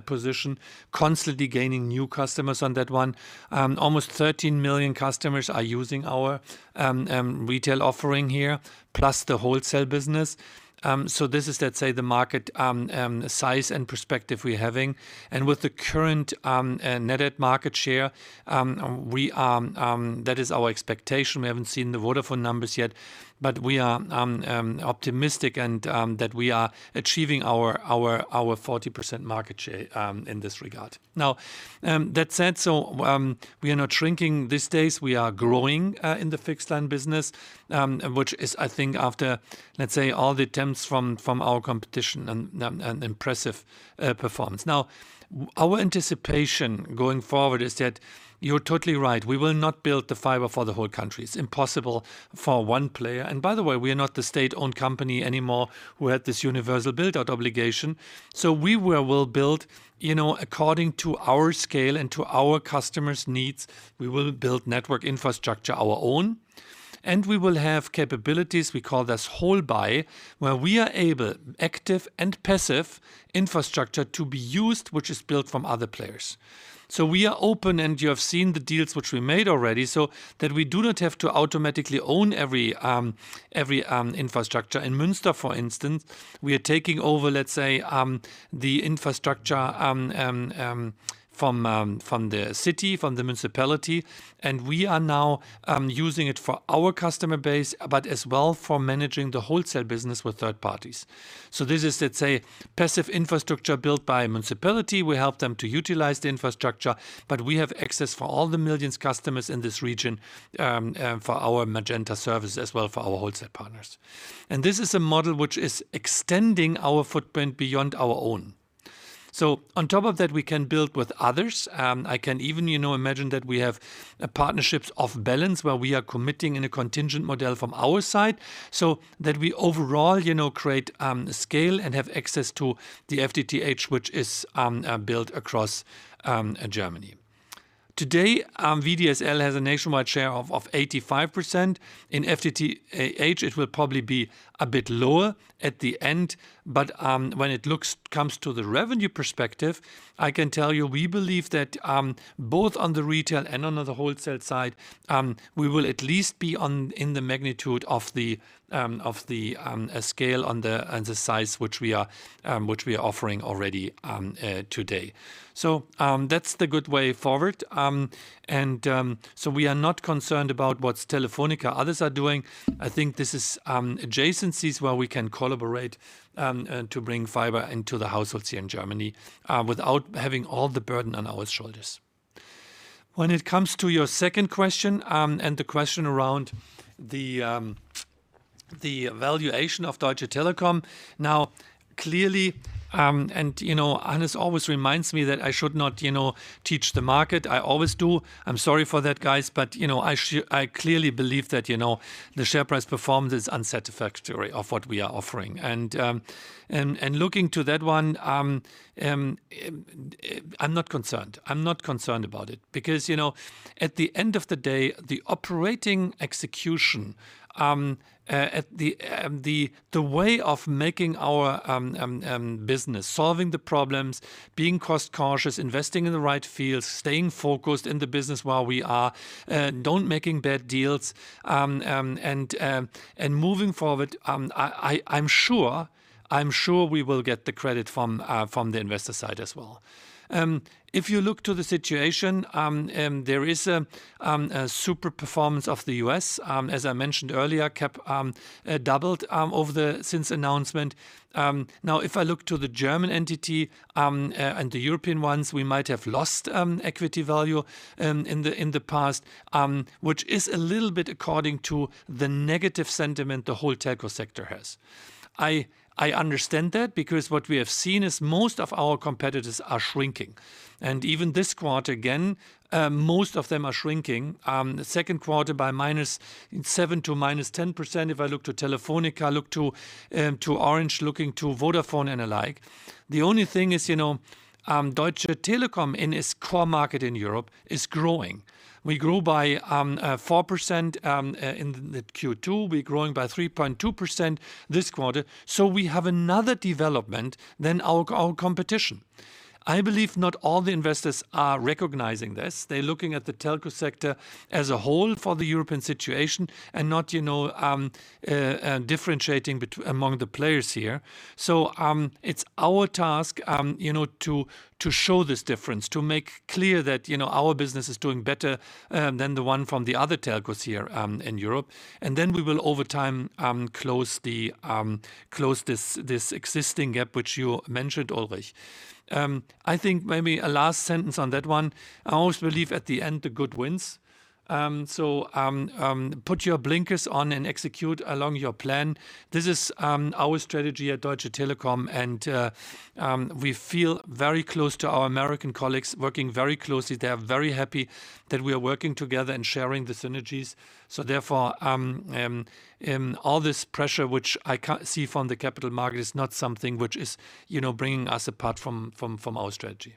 position, constantly gaining new customers on that one. Almost 13 million customers are using our retail offering here, plus the wholesale business. This is, let's say, the market size and perspective we're having. With the current netted market share, that is our expectation. We haven't seen the Vodafone numbers yet, but we are optimistic and that we are achieving our 40% market share in this regard. That said, we are not shrinking these days. We are growing in the fixed line business, which is, I think after, let's say, all the attempts from our competition an impressive performance. Our anticipation going forward is that you're totally right. We will not build the fiber for the whole country. It's impossible for one player. By the way, we are not the state-owned company anymore who had this universal build-out obligation. We will build according to our scale and to our customers' needs. We will build network infrastructure our own, and we will have capabilities, we call this whole buy, where we are able, active and passive infrastructure to be used, which is built from other players. We are open, and you have seen the deals which we made already, so that we do not have to automatically own every infrastructure. In Münster, for instance, we are taking over, let's say, the infrastructure from the city, from the municipality, and we are now using it for our customer base, but as well for managing the wholesale business with third parties. This is, let's say, passive infrastructure built by a municipality. We help them to utilize the infrastructure, but we have access for all the millions customers in this region, for our Magenta services as well for our wholesale partners. This is a model which is extending our footprint beyond our own. On top of that, we can build with others. I can even imagine that we have partnerships off balance where we are committing in a contingent model from our side, so that we overall create scale and have access to the FTTH, which is built across Germany. Today, VDSL has a nationwide share of 85%. In FTTH, it will probably be a bit lower at the end. When it comes to the revenue perspective, I can tell you we believe that both on the retail and on the wholesale side, we will at least be in the magnitude of the scale and the size which we are offering already today. That's the good way forward. We are not concerned about what's Telefónica, others are doing. I think this is adjacencies where we can collaborate to bring fiber into the households here in Germany without having all the burden on our shoulders. When it comes to your second question, and the question around the valuation of Deutsche Telekom. Clearly, and Hannes always reminds me that I should not teach the market. I always do. I'm sorry for that, I clearly believe that the share price performance is unsatisfactory of what we are offering. Looking to that one, I'm not concerned. I'm not concerned about it. At the end of the day, the operating execution, the way of making our business, solving the problems, being cost-cautious, investing in the right fields, staying focused in the business where we are, don't making bad deals, and moving forward, I'm sure we will get the credit from the investor side as well. If you look to the situation, there is a super performance of the U.S. As I mentioned earlier, cap doubled since announcement. Now, if I look to the German entity and the European ones, we might have lost equity value in the past, which is a little bit according to the negative sentiment the whole telco sector has. I understand that because what we have seen is most of our competitors are shrinking. Even this quarter, again, most of them are shrinking. The second quarter by -7% to -10%, if I look to Telefónica, look to Orange, looking to Vodafone and alike. The only thing is, Deutsche Telekom in its core market in Europe is growing. We grew by 4% in the Q2. We're growing by 3.2% this quarter. We have another development than our competition. I believe not all the investors are recognizing this. They're looking at the telco sector as a whole for the European situation and not differentiating among the players here. It's our task to show this difference, to make clear that our business is doing better than the one from the other telcos here in Europe. We will over time close this existing gap which you mentioned, Ulrich. I think maybe a last sentence on that one. I always believe at the end, the good wins. Put your blinkers on and execute along your plan. This is our strategy at Deutsche Telekom, and we feel very close to our American colleagues, working very closely. They are very happy that we are working together and sharing the synergies. Therefore, all this pressure, which I can see from the capital market, is not something which is bringing us apart from our strategy.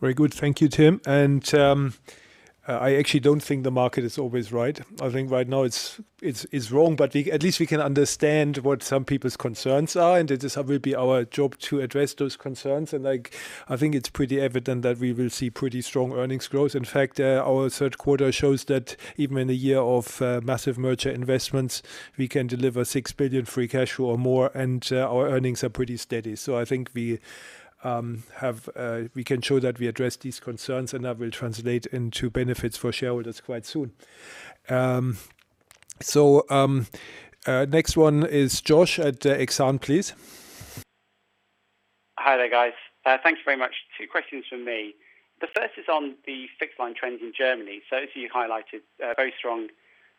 Very good. Thank you, Tim. I actually don't think the market is always right. I think right now it's wrong, at least we can understand what some people's concerns are, this will be our job to address those concerns. I think it's pretty evident that we will see pretty strong earnings growth. In fact, our third quarter shows that even in a year of massive merger investments, we can deliver 6 billion free cash flow or more, our earnings are pretty steady. I think we can show that we address these concerns, that will translate into benefits for shareholders quite soon. Next one is Josh at Exane, please. Hi there, guys. Thanks very much. Two questions from me. The first is on the fixed-line trends in Germany. As you highlighted, very strong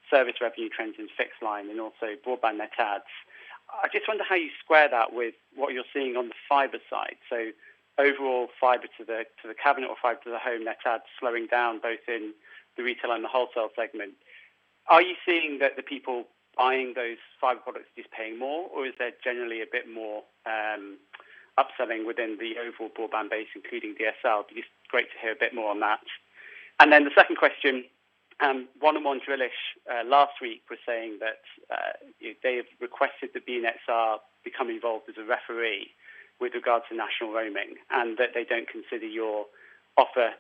service revenue trends in fixed-line and also broadband net adds. I just wonder how you square that with what you're seeing on the fiber side. Overall, fiber to the cabinet or fiber to the home, net adds slowing down both in the retail and the wholesale segment. Are you seeing that the people buying those fiber products are just paying more, or is there generally a bit more upselling within the overall broadband base, including DSL? It'd be great to hear a bit more on that. Then the second question. 1&1 Drillisch last week was saying that they have requested the BNetzA become involved as a referee with regard to national roaming, that they don't consider your offer,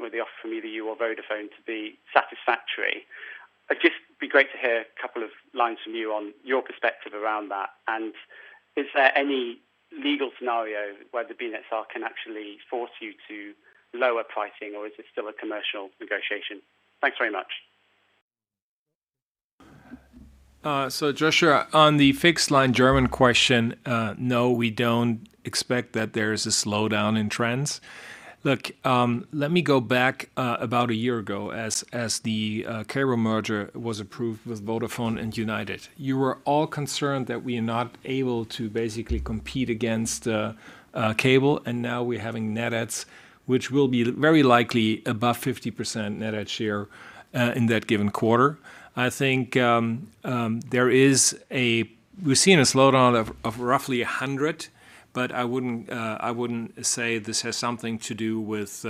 or the offer from either you or Vodafone to be satisfactory. It'd just be great to hear a couple of lines from you on your perspective around that. Is there any legal scenario where the BNetzA can actually force you to lower pricing, or is this still a commercial negotiation? Thanks very much. Josh, on the fixed line German question, no, we don't expect that there is a slowdown in trends. Look, let me go back about a year ago as the Kabel merger was approved with Vodafone and United. You were all concerned that we are not able to basically compete against cable, and now we're having net adds, which will be very likely above 50% net add share in that given quarter. I think we're seeing a slowdown of roughly 100, but I wouldn't say this has something to do with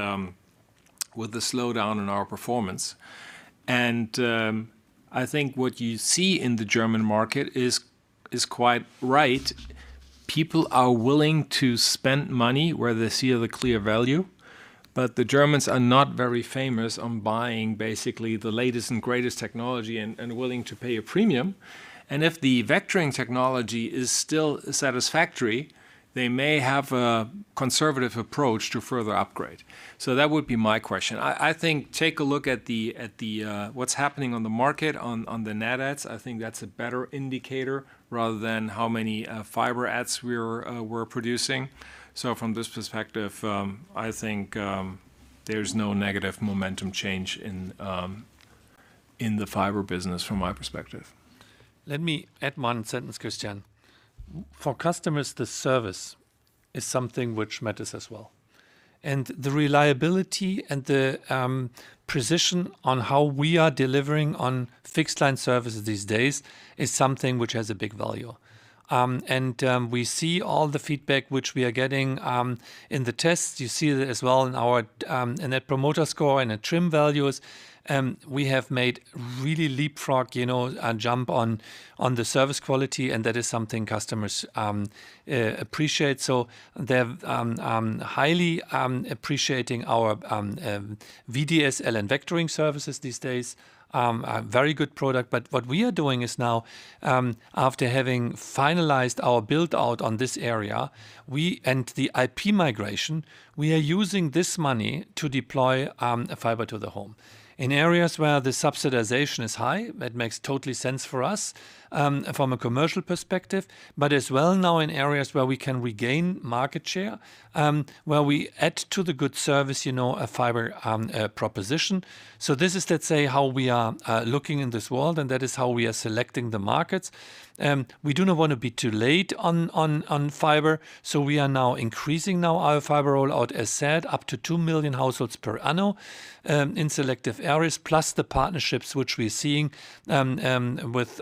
With the slowdown in our performance. I think what you see in the German market is quite right. People are willing to spend money where they see the clear value. The Germans are not very famous on buying basically the latest and greatest technology and willing to pay a premium. If the vectoring technology is still satisfactory, they may have a conservative approach to further upgrade. That would be my question. I think take a look at what's happening on the market, on the net adds. I think that's a better indicator rather than how many fiber adds we're producing. From this perspective, I think there's no negative momentum change in the fiber business from my perspective. Let me add one sentence, Christian. For customers, the service is something which matters as well. The reliability and the precision on how we are delivering on fixed-line services these days is something which has a big value. We see all the feedback which we are getting in the tests. You see it as well in our Net Promoter Score and the TRI*M values. We have made really leapfrog jump on the service quality and that is something customers appreciate. They're highly appreciating our VDSL and vectoring services these days. A very good product. What we are doing is now, after having finalized our build-out on this area and the IP migration, we are using this money to deploy fiber to the home. In areas where the subsidization is high, that makes total sense for us from a commercial perspective. As well now in areas where we can regain market share, where we add to the good service a fiber proposition. This is, let's say, how we are looking in this world and that is how we are selecting the markets. We do not want to be too late on fiber. We are now increasing now our fiber rollout, as said, up to 2 million households per annum in selective areas, plus the partnerships which we're seeing with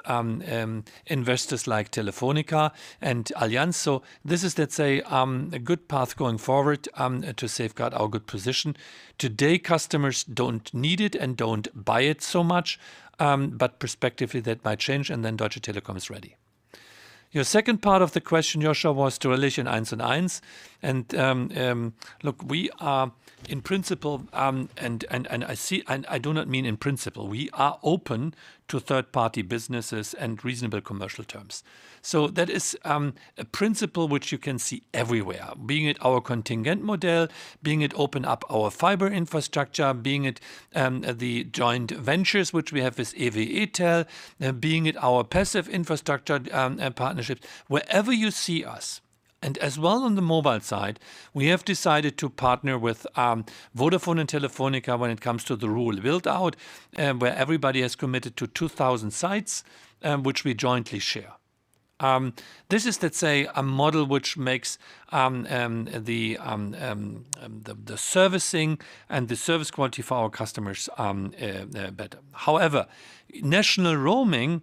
investors like Telefónica and Allianz. This is, let's say, a good path going forward to safeguard our good position. Today, customers don't need it and don't buy it so much. Perspectively, that might change. Deutsche Telekom is ready. Your second part of the question, Joshua, was to relation Drillisch 1&1. Look, we are in principle, and I do not mean in principle, we are open to third-party businesses and reasonable commercial terms. That is a principle which you can see everywhere, being it our contingency model, being it open up our fiber infrastructure, being it the joint ventures which we have with EWE TEL, being it our passive infrastructure partnerships. Wherever you see us, and as well on the mobile side, we have decided to partner with Vodafone and Telefónica when it comes to the rural build-out, where everybody has committed to 2,000 sites which we jointly share. This is, let's say, a model which makes the servicing and the service quality for our customers better. However, national roaming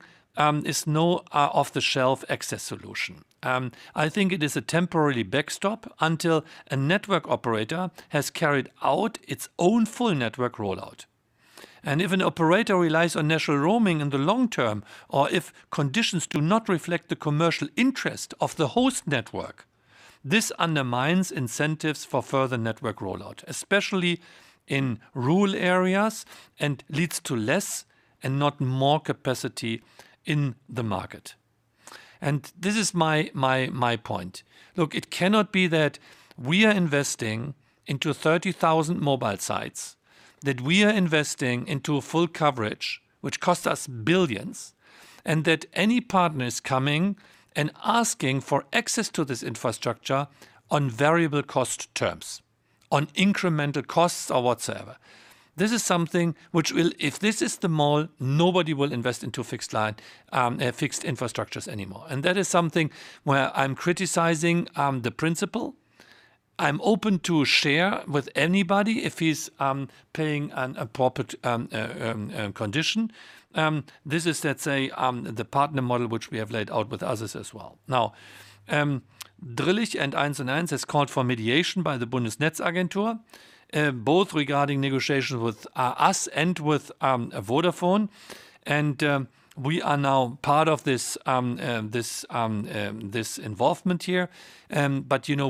is no off-the-shelf access solution. I think it is a temporary backstop until a network operator has carried out its own full network rollout. If an operator relies on national roaming in the long term, or if conditions do not reflect the commercial interest of the host network, this undermines incentives for further network rollout, especially in rural areas, and leads to less and not more capacity in the market. This is my point. Look, it cannot be that we are investing into 30,000 mobile sites, that we are investing into full coverage, which cost us billions, and that any partner is coming and asking for access to this infrastructure on variable cost terms, on incremental costs or whatsoever. This is something which will, if this is the mold, nobody will invest into fixed infrastructures anymore. That is something where I'm criticizing the principle. I'm open to share with anybody if he's paying an appropriate condition. This is, let's say, the partner model, which we have laid out with others as well. Drillisch and 1&1 has called for mediation by the Bundesnetzagentur, both regarding negotiations with us and with Vodafone. We are now part of this involvement here.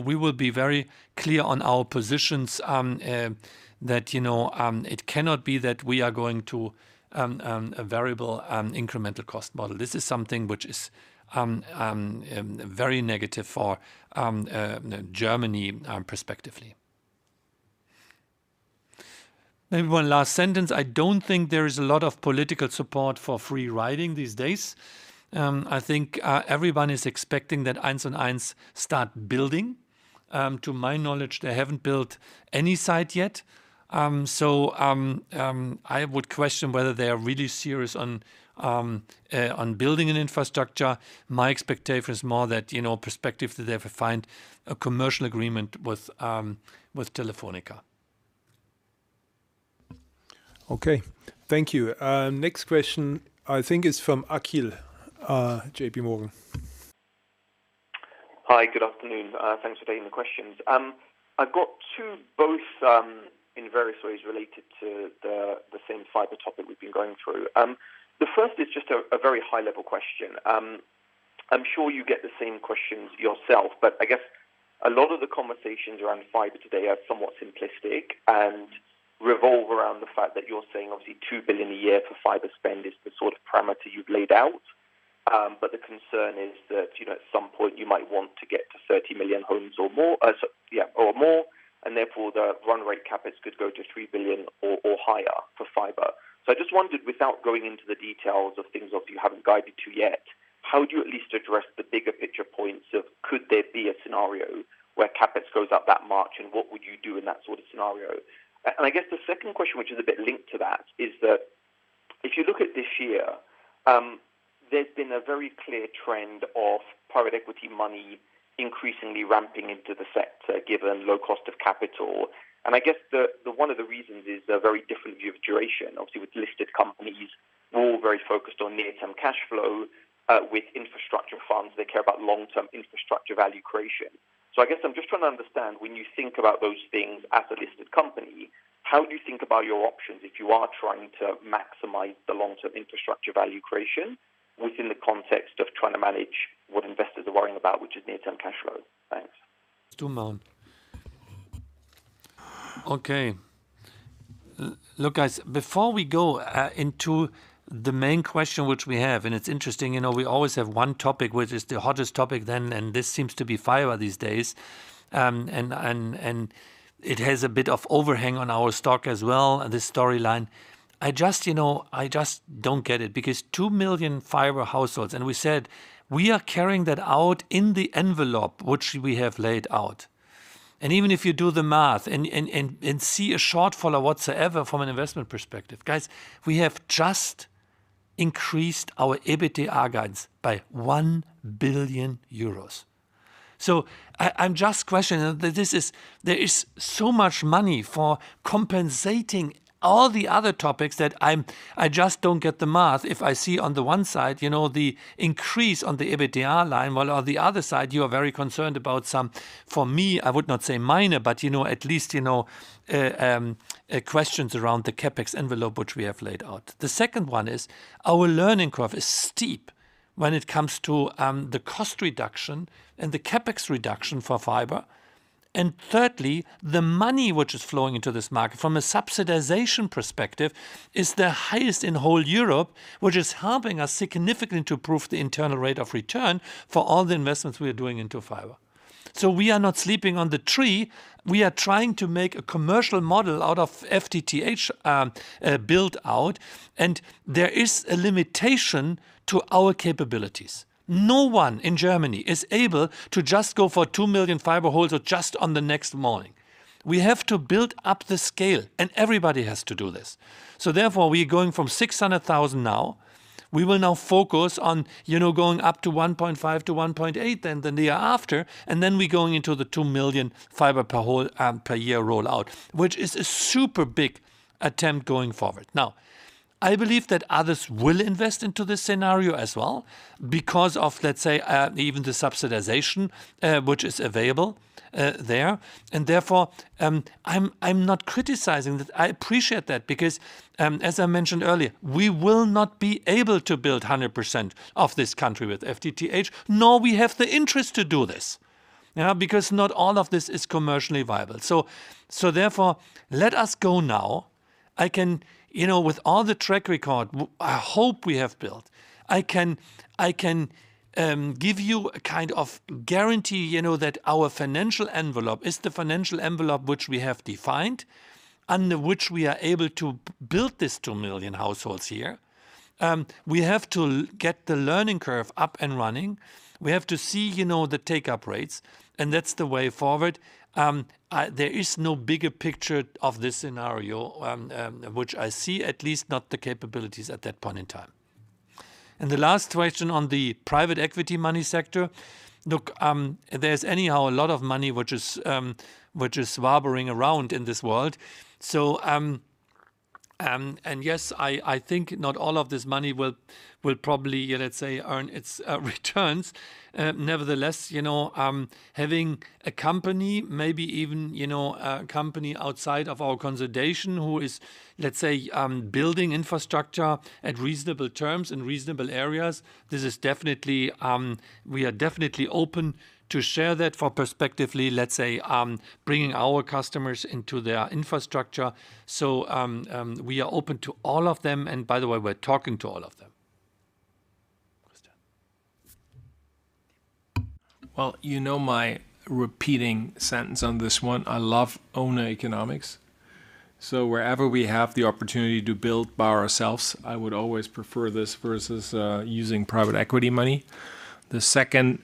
We will be very clear on our positions that it cannot be that we are going to a variable incremental cost model. This is something which is very negative for Germany perspectively. Maybe one last sentence. I don't think there is a lot of political support for free riding these days. I think everyone is expecting that 1&1 start building. To my knowledge, they haven't built any site yet. I would question whether they are really serious on building an infrastructure. My expectation is more that perspective that they have to find a commercial agreement with Telefónica. Okay. Thank you. Next question I think is from Akhil, JPMorgan. Hi, good afternoon. Thanks for taking the questions. I've got two, both in various ways related to the same fiber topic we've been going through. The first is just a very high-level question. I'm sure you get the same questions yourself. I guess a lot of the conversations around fiber today are somewhat simplistic and revolve around the fact that you're saying obviously 2 billion a year for fiber spend is the sort of parameter you've laid out. The concern is that at some point you might want to get to 30 million homes or more, and therefore the run rate CapEx could go to 3 billion or higher for fiber. I just wondered, without going into the details of things you haven't guided to yet, how do you at least address the bigger picture points of could there be a scenario where CapEx goes up that much and what would you do in that sort of scenario? I guess the second question, which is a bit linked to that, is that if you look at this year, there's been a very clear trend of private equity money increasingly ramping into the sector, given low cost of capital. I guess one of the reasons is a very different view of duration. Obviously, with listed companies, we're all very focused on near-term cash flow. With infrastructure funds, they care about long-term infrastructure value creation. I guess I'm just trying to understand, when you think about those things as a listed company, how do you think about your options if you are trying to maximize the long-term infrastructure value creation within the context of trying to manage what investors are worrying about, which is near-term cash flow? Thanks. Okay. Look, guys, before we go into the main question which we have, it's interesting, we always have one topic which is the hottest topic then, this seems to be fiber these days. It has a bit of overhang on our stock as well, this storyline. I just don't get it because 2 million fiber households, we said we are carrying that out in the envelope, which we have laid out. Even if you do the math and see a shortfall or whatsoever from an investment perspective, guys, we have just increased our EBITDA guidance by 1 billion euros. I'm just questioning that there is so much money for compensating all the other topics that I just don't get the math if I see on the one side, the increase on the EBITDA line, while on the other side, you are very concerned about some, for me, I would not say minor, but at least questions around the CapEx envelope which we have laid out. The second one is our learning curve is steep when it comes to the cost reduction and the CapEx reduction for fiber. Thirdly, the money which is flowing into this market from a subsidization perspective is the highest in whole Europe, which is helping us significantly to prove the internal rate of return for all the investments we are doing into fiber. We are not sleeping on the tree. We are trying to make a commercial model out of FTTH build out, and there is a limitation to our capabilities. No one in Germany is able to just go for 2 million fiber households just on the next morning. We have to build up the scale and everybody has to do this. Therefore, we are going from 600,000 now. We will now focus on going up to 1.5 million-1.8 million in the near after, and then we're going into the 2 million fiber per year rollout, which is a super big attempt going forward. I believe that others will invest into this scenario as well because of, let's say, even the subsidization which is available there. Therefore, I'm not criticizing that. I appreciate that because, as I mentioned earlier, we will not be able to build 100% of this country with FTTH, nor we have the interest to do this. Not all of this is commercially viable. Therefore, let us go now. With all the track record I hope we have built, I can give you a kind of guarantee that our financial envelope is the financial envelope which we have defined, under which we are able to build this 2 million households here. We have to get the learning curve up and running. We have to see the take-up rates, and that's the way forward. There is no bigger picture of this scenario, which I see at least not the capabilities at that point in time. The last question on the private equity money sector. Look, there's anyhow a lot of money which is wobbling around in this world. Yes, I think not all of this money will probably, let's say, earn its returns. Nevertheless, having a company, maybe even a company outside of our consolidation who is, let's say, building infrastructure at reasonable terms in reasonable areas. We are definitely open to share that for perspectively, let's say, bringing our customers into their infrastructure. We are open to all of them, and by the way, we're talking to all of them. Christian. Well, you know my repeating sentence on this one. I love owner economics. Wherever we have the opportunity to build by ourselves, I would always prefer this versus using private equity money. The second,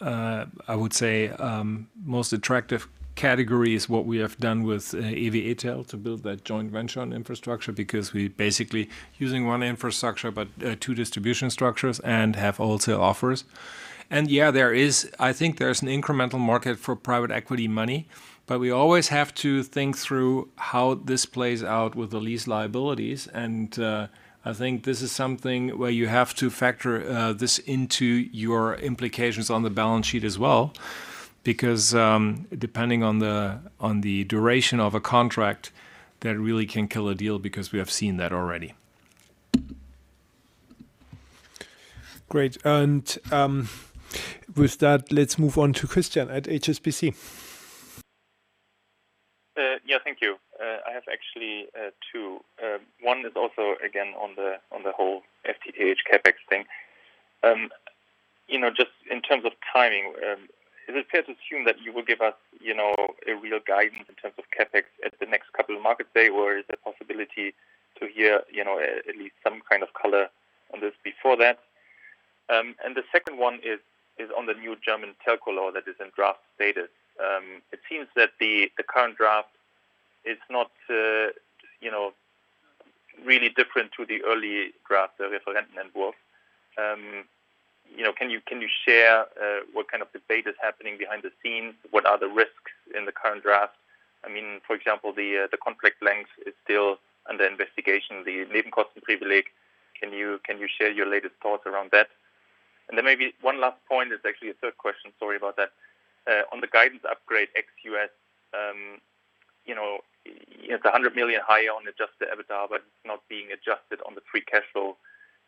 I would say, most attractive category is what we have done with EWE TEL to build that joint venture on infrastructure because we basically using one infrastructure but two distribution structures and have wholesale offers. Yeah, I think there's an incremental market for private equity money. We always have to think through how this plays out with the lease liabilities, and I think this is something where you have to factor this into your implications on the balance sheet as well. Depending on the duration of a contract, that really can kill a deal because we have seen that already. Great. With that, let's move on to Christian at HSBC. Yeah, thank you. I have actually two. One is also, again, on the whole FTTH CapEx thing. Just in terms of timing, is it fair to assume that you will give us a real guidance in terms of CapEx at the next couple of market day, or is there possibility to hear at least some kind of color on this before that? The second one is on the new German Telecom Law that is in draft status. It seems that the current draft is not really different to the early draft, the Referentenentwürfe. Can you share what kind of debate is happening behind the scenes? What are the risks in the current draft? For example, the contract length is still under investigation, the Nebenkostenprivileg. Can you share your latest thoughts around that? Then maybe one last point is actually a third question, sorry about that. On the guidance upgrade ex U.S., it's 100 million higher on adjusted EBITDA. It's not being adjusted on the free cash flow.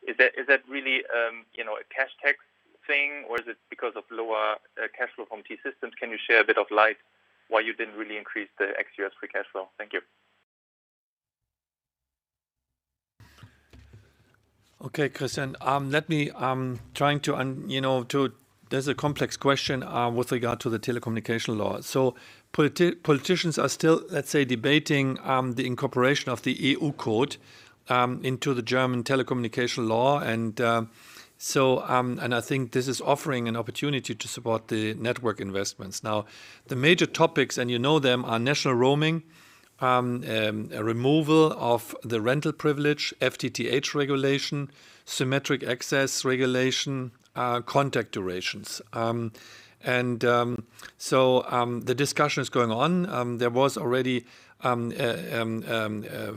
Is that really a cash tax thing, or is it because of lower cash flow from T-Systems? Can you share a bit of light why you didn't really increase the ex U.S. free cash flow? Thank you. Okay, Christian. That's a complex question with regard to the telecommunication law. Politicians are still, let's say, debating the incorporation of the EU code into the German Telecommunication Law. I think this is offering an opportunity to support the network investments. The major topics, and you know them, are national roaming, removal of the rental privilege, FTTH regulation, symmetric access regulation, contract durations. The discussion is going on. There was already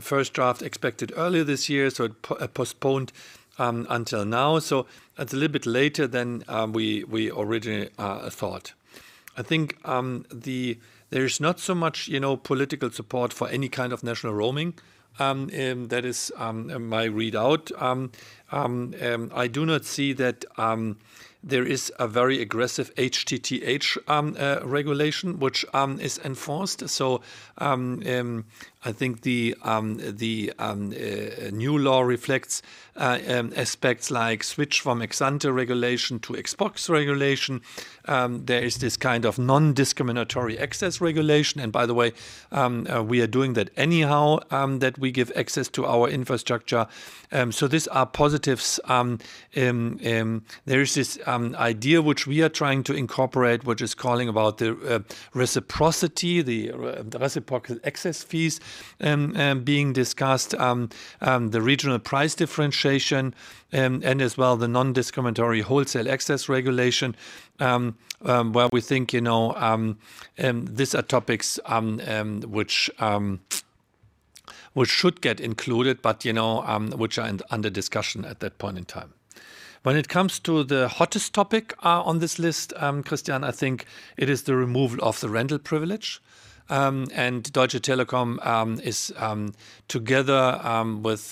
first draft expected earlier this year, so it postponed until now. It's a little bit later than we originally thought. I think there is not so much political support for any kind of national roaming. That is my readout. I do not see that there is a very aggressive FTTH regulation which is enforced. I think the new law reflects aspects like switch from ex ante regulation to ex post regulation. There is this kind of non-discriminatory access regulation. By the way, we are doing that anyhow, that we give access to our infrastructure. These are positives. There is this idea which we are trying to incorporate, which is calling about the reciprocity, the reciprocal access fees being discussed, the regional price differentiation, and as well the non-discriminatory wholesale access regulation, where we think these are topics which should get included but which are under discussion at that point in time. When it comes to the hottest topic on this list, Christian, I think it is the removal of the rental privilege. Deutsche Telekom is, together with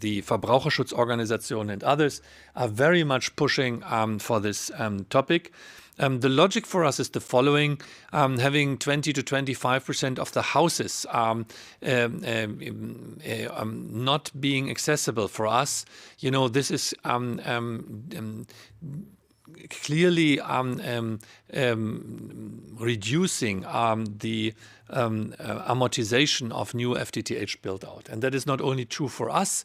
the Verbraucherzentrale Organisation and others, are very much pushing for this topic. The logic for us is the following. Having 20%-25% of the houses not being accessible for us, this is clearly reducing the amortization of new FTTH build-out. That is not only true for us.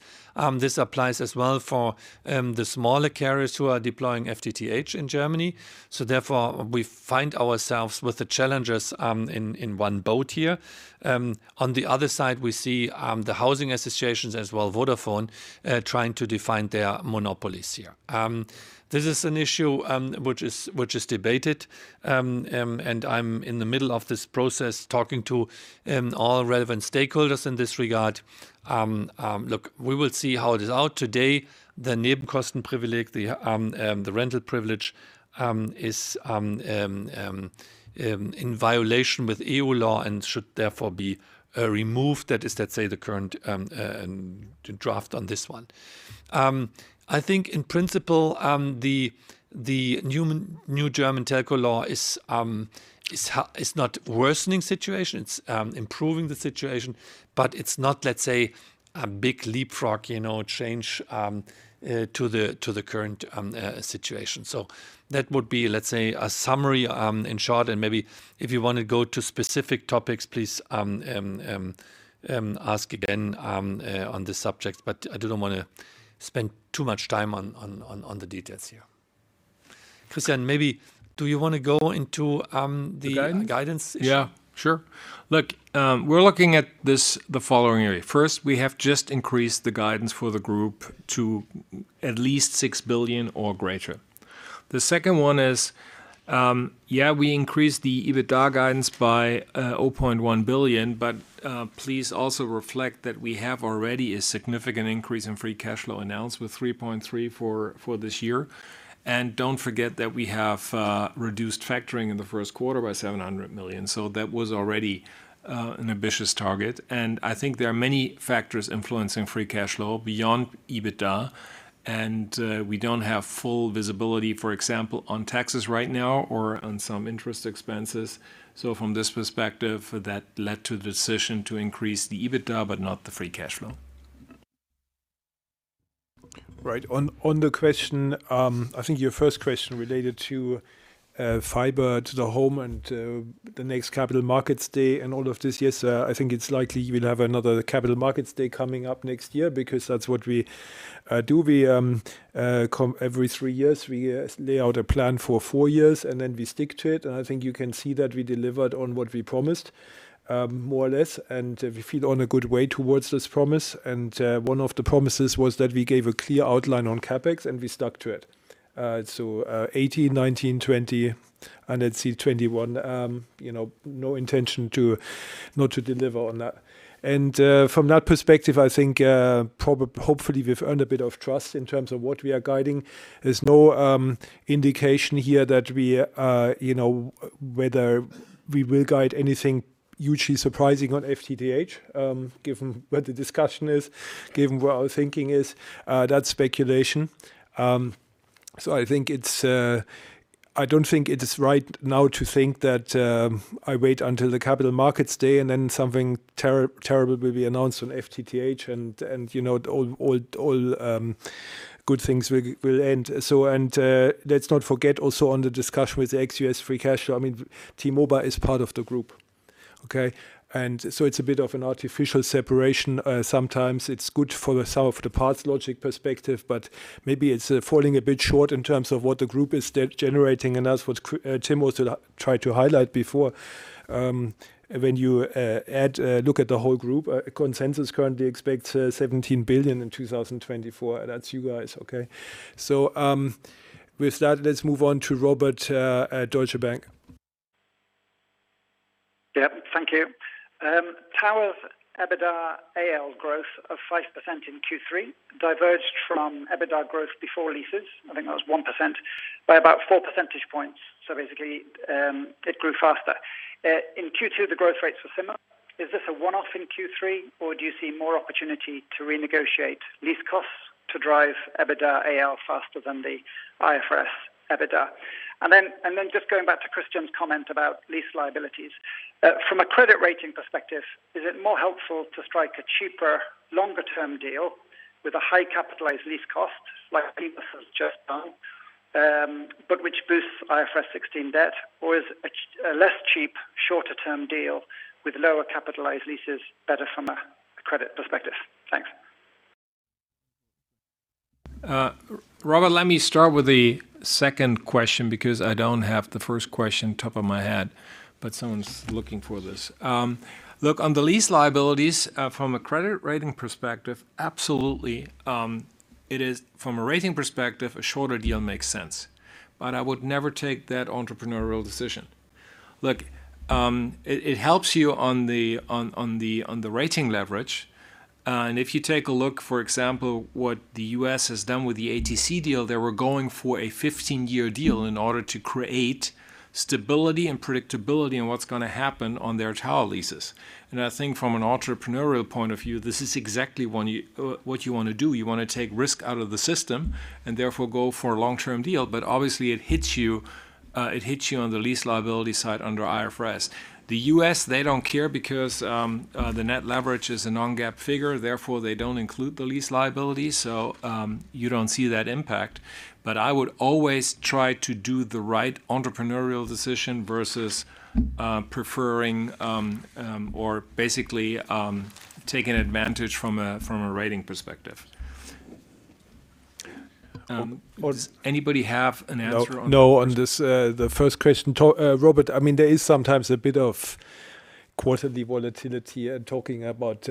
This applies as well for the smaller carriers who are deploying FTTH in Germany. Therefore, we find ourselves with the challengers in one boat here. On the other side, we see the housing associations as well, Vodafone, trying to define their monopolies here. This is an issue which is debated, and I'm in the middle of this process, talking to all relevant stakeholders in this regard. Look, we will see how it is out today. The Nebenkostenprivileg, the rental privilege, is in violation with EU law and should therefore be removed. That is, let's say, the current draft on this one. I think in principle, the new German Telecom law is not worsening situation. It's improving the situation, but it's not, let's say, a big leapfrog change to the current situation. That would be, let's say, a summary in short, and maybe if you want to go to specific topics, please ask again on this subject, but I do not want to spend too much time on the details here. Christian, maybe do you want to go into- The guidance? the guidance issue? Yeah, sure. Look, we're looking at the following area. First, we have just increased the guidance for the group to at least 6 billion or greater. The second one is, yeah, we increased the EBITDA guidance by 0.1 billion, but please also reflect that we have already a significant increase in free cash flow announced with 3.3 billion for this year. Don't forget that we have reduced factoring in the first quarter by 700 million. That was already an ambitious target. I think there are many factors influencing free cash flow beyond EBITDA, and we don't have full visibility, for example, on taxes right now or on some interest expenses. From this perspective, that led to the decision to increase the EBITDA but not the free cash flow. Right. On the question, I think your first question related to fiber to the home and the next Capital Markets Day and all of this. Yes, I think it's likely we'll have another Capital Markets Day coming up next year because that's what we do. Every three years, we lay out a plan for four years, and then we stick to it. I think you can see that we delivered on what we promised, more or less, and we feel on a good way towards this promise. One of the promises was that we gave a clear outline on CapEx, and we stuck to it. 2018, 2019, 2020, and let's see 2021. No intention not to deliver on that. From that perspective, I think hopefully we've earned a bit of trust in terms of what we are guiding. There's no indication here whether we will guide anything hugely surprising on FTTH, given where the discussion is, given where our thinking is. That's speculation. I don't think it is right now to think that I wait until the Capital Markets Day and then something terrible will be announced on FTTH and all good things will end. Let's not forget also on the discussion with ex-U.S. free cash flow. T-Mobile is part of the group. Okay? It's a bit of an artificial separation. Sometimes it's good for the sum of the parts logic perspective, but maybe it's falling a bit short in terms of what the group is generating announced, what Tim tried to highlight before. When you look at the whole group, consensus currently expects 17 billion in 2024. That's you guys. Okay? With that, let's move on to Robert at Deutsche Bank. Yeah. Thank you. Towers EBITDA AL growth of 5% in Q3 diverged from EBITDA growth before leases, I think that was 1%, by about four percentage points. Basically, it grew faster. In Q2, the growth rates were similar. Is this a one-off in Q3, or do you see more opportunity to renegotiate lease costs to drive EBITDA AL faster than the IFRS EBITDA? Just going back to Christian's comment about lease liabilities. From a credit rating perspective, is it more helpful to strike a cheaper longer-term deal with a high capitalized lease cost, like Airbus has just done, but which boosts IFRS 16 debt, or is a less cheap shorter-term deal with lower capitalized leases better from a credit perspective? Thanks. Robert, let me start with the second question because I don't have the first question top of my head, but someone's looking for this. Look, on the lease liabilities, from a credit rating perspective, absolutely, from a rating perspective, a shorter deal makes sense. I would never take that entrepreneurial decision. Look, it helps you on the rating leverage. If you take a look, for example, what the U.S. has done with the ATC deal, they were going for a 15-year deal in order to create stability and predictability in what's going to happen on their tower leases. I think from an entrepreneurial point of view, this is exactly what you want to do. You want to take risk out of the system and therefore go for a long-term deal. Obviously, it hits you on the lease liability side under IFRS. The U.S., they don't care because the net leverage is a non-GAAP figure. Therefore, they don't include the lease liability. You don't see that impact. I would always try to do the right entrepreneurial decision versus preferring or basically taking advantage from a rating perspective. Does anybody have an answer on the first- No, on the first question, Robert, there is sometimes a bit of quarterly volatility and talking about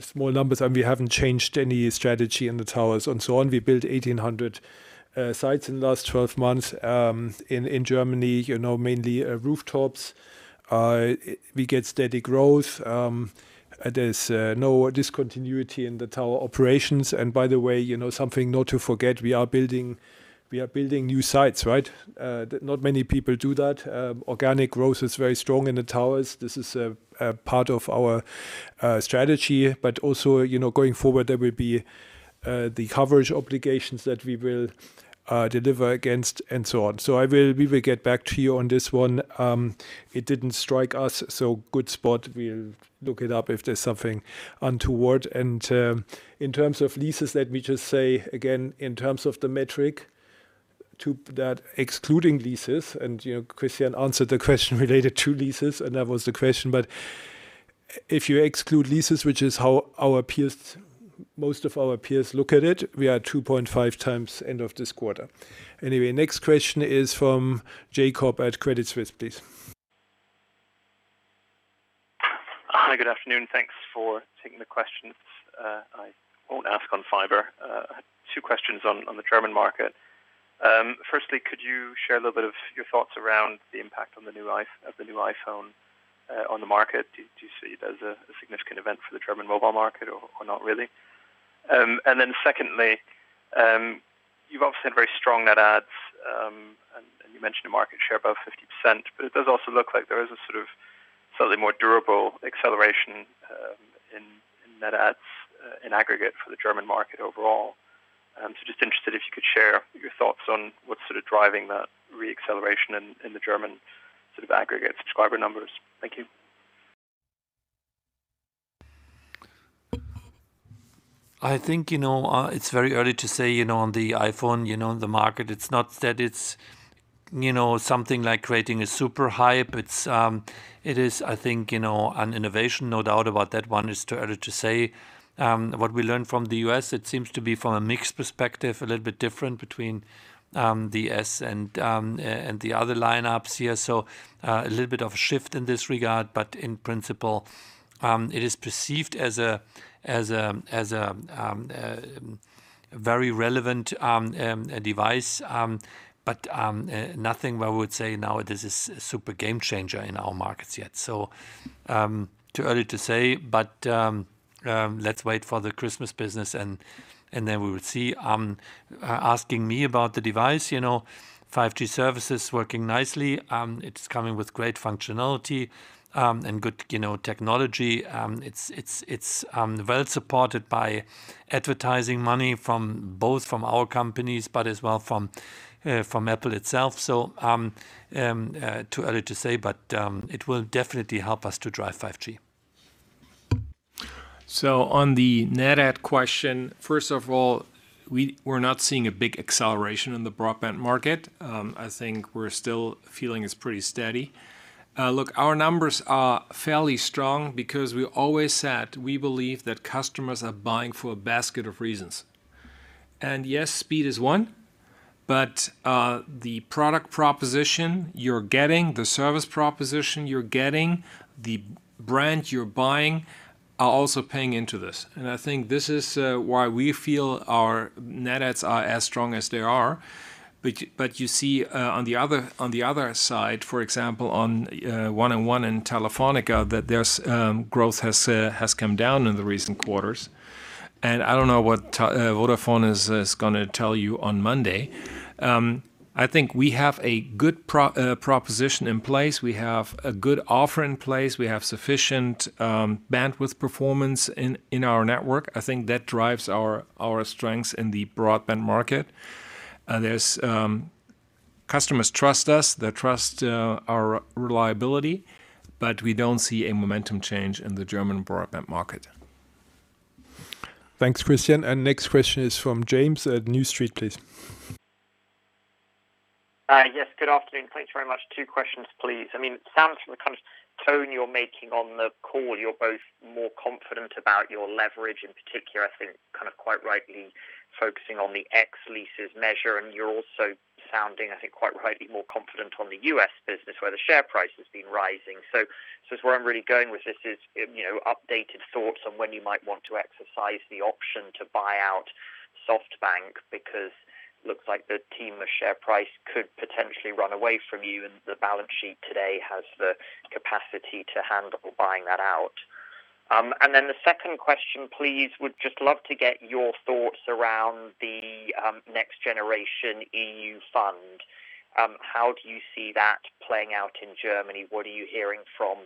small numbers. We haven't changed any strategy in the towers and so on. We built 1,800 sites in the last 12 months in Germany, mainly rooftops. We get steady growth. By the way, something not to forget, we are building new sites, right? Not many people do that. Organic growth is very strong in the towers. This is a part of our strategy. Also, going forward, there will be the coverage obligations that we will deliver against and so on. We will get back to you on this one. It didn't strike us. Good spot. We'll look it up if there's something untoward. In terms of leases, let me just say again, in terms of the metric to that excluding leases, Christian answered the question related to leases, and that was the question. If you exclude leases, which is how most of our peers look at it, we are 2.5x end of this quarter. Next question is from Jakob at Crédit Suisse, please. Hi, good afternoon. Thanks for taking the questions. I won't ask on fiber. I had two questions on the German market. Firstly, could you share a little bit of your thoughts around the impact of the new iPhone on the market? Do you see it as a significant event for the German mobile market or not really? Secondly, you've obviously had very strong net adds and you mentioned a market share above 50%, but it does also look like there is a sort of slightly more durable acceleration in net adds in aggregate for the German market overall. Just interested if you could share your thoughts on what's sort of driving that re-acceleration in the German aggregate subscriber numbers. Thank you. I think, it's very early to say on the iPhone, the market. It's not that it's something like creating a super hype. It is, I think, an innovation, no doubt about that one. It's too early to say. What we learn from the U.S., it seems to be from a mixed perspective, a little bit different between the S and the other lineups here. A little bit of a shift in this regard, but in principle, it is perceived as a very relevant device. Nothing where I would say now this is a super game changer in our markets yet. Too early to say, but let's wait for the Christmas business and then we will see. Asking me about the device, 5G services working nicely. It's coming with great functionality and good technology. It's well supported by advertising money both from our companies, but as well from Apple itself. Too early to say, but it will definitely help us to drive 5G. On the net add question, first of all, we're not seeing a big acceleration in the broadband market. I think we're still feeling it's pretty steady. Look, our numbers are fairly strong because we always said we believe that customers are buying for a basket of reasons. Yes, speed is one, but the product proposition you're getting, the service proposition you're getting, the brand you're buying, are also paying into this. I think this is why we feel our net adds are as strong as they are. You see on the other side, for example, on 1&1 in Telefónica, that their growth has come down in the recent quarters. I don't know what Vodafone is going to tell you on Monday. I think we have a good proposition in place. We have a good offer in place. We have sufficient bandwidth performance in our network. I think that drives our strengths in the broadband market. Customers trust us. They trust our reliability, but we don't see a momentum change in the German broadband market. Thanks, Christian. Next question is from James at New Street, please. Yes, good afternoon. Thanks very much. Two questions, please. It sounds from the kind of tone you're making on the call, you're both more confident about your leverage, in particular, I think quite rightly focusing on the ex leases measure, and you're also sounding, I think quite rightly, more confident on the U.S. business where the share price has been rising. I guess where I'm really going with this is, updated thoughts on when you might want to exercise the option to buy out SoftBank, because looks like the TMUS share price could potentially run away from you and the balance sheet today has the capacity to handle buying that out. The second question, please, would just love to get your thoughts around the NextGenerationEU fund. How do you see that playing out in Germany? What are you hearing from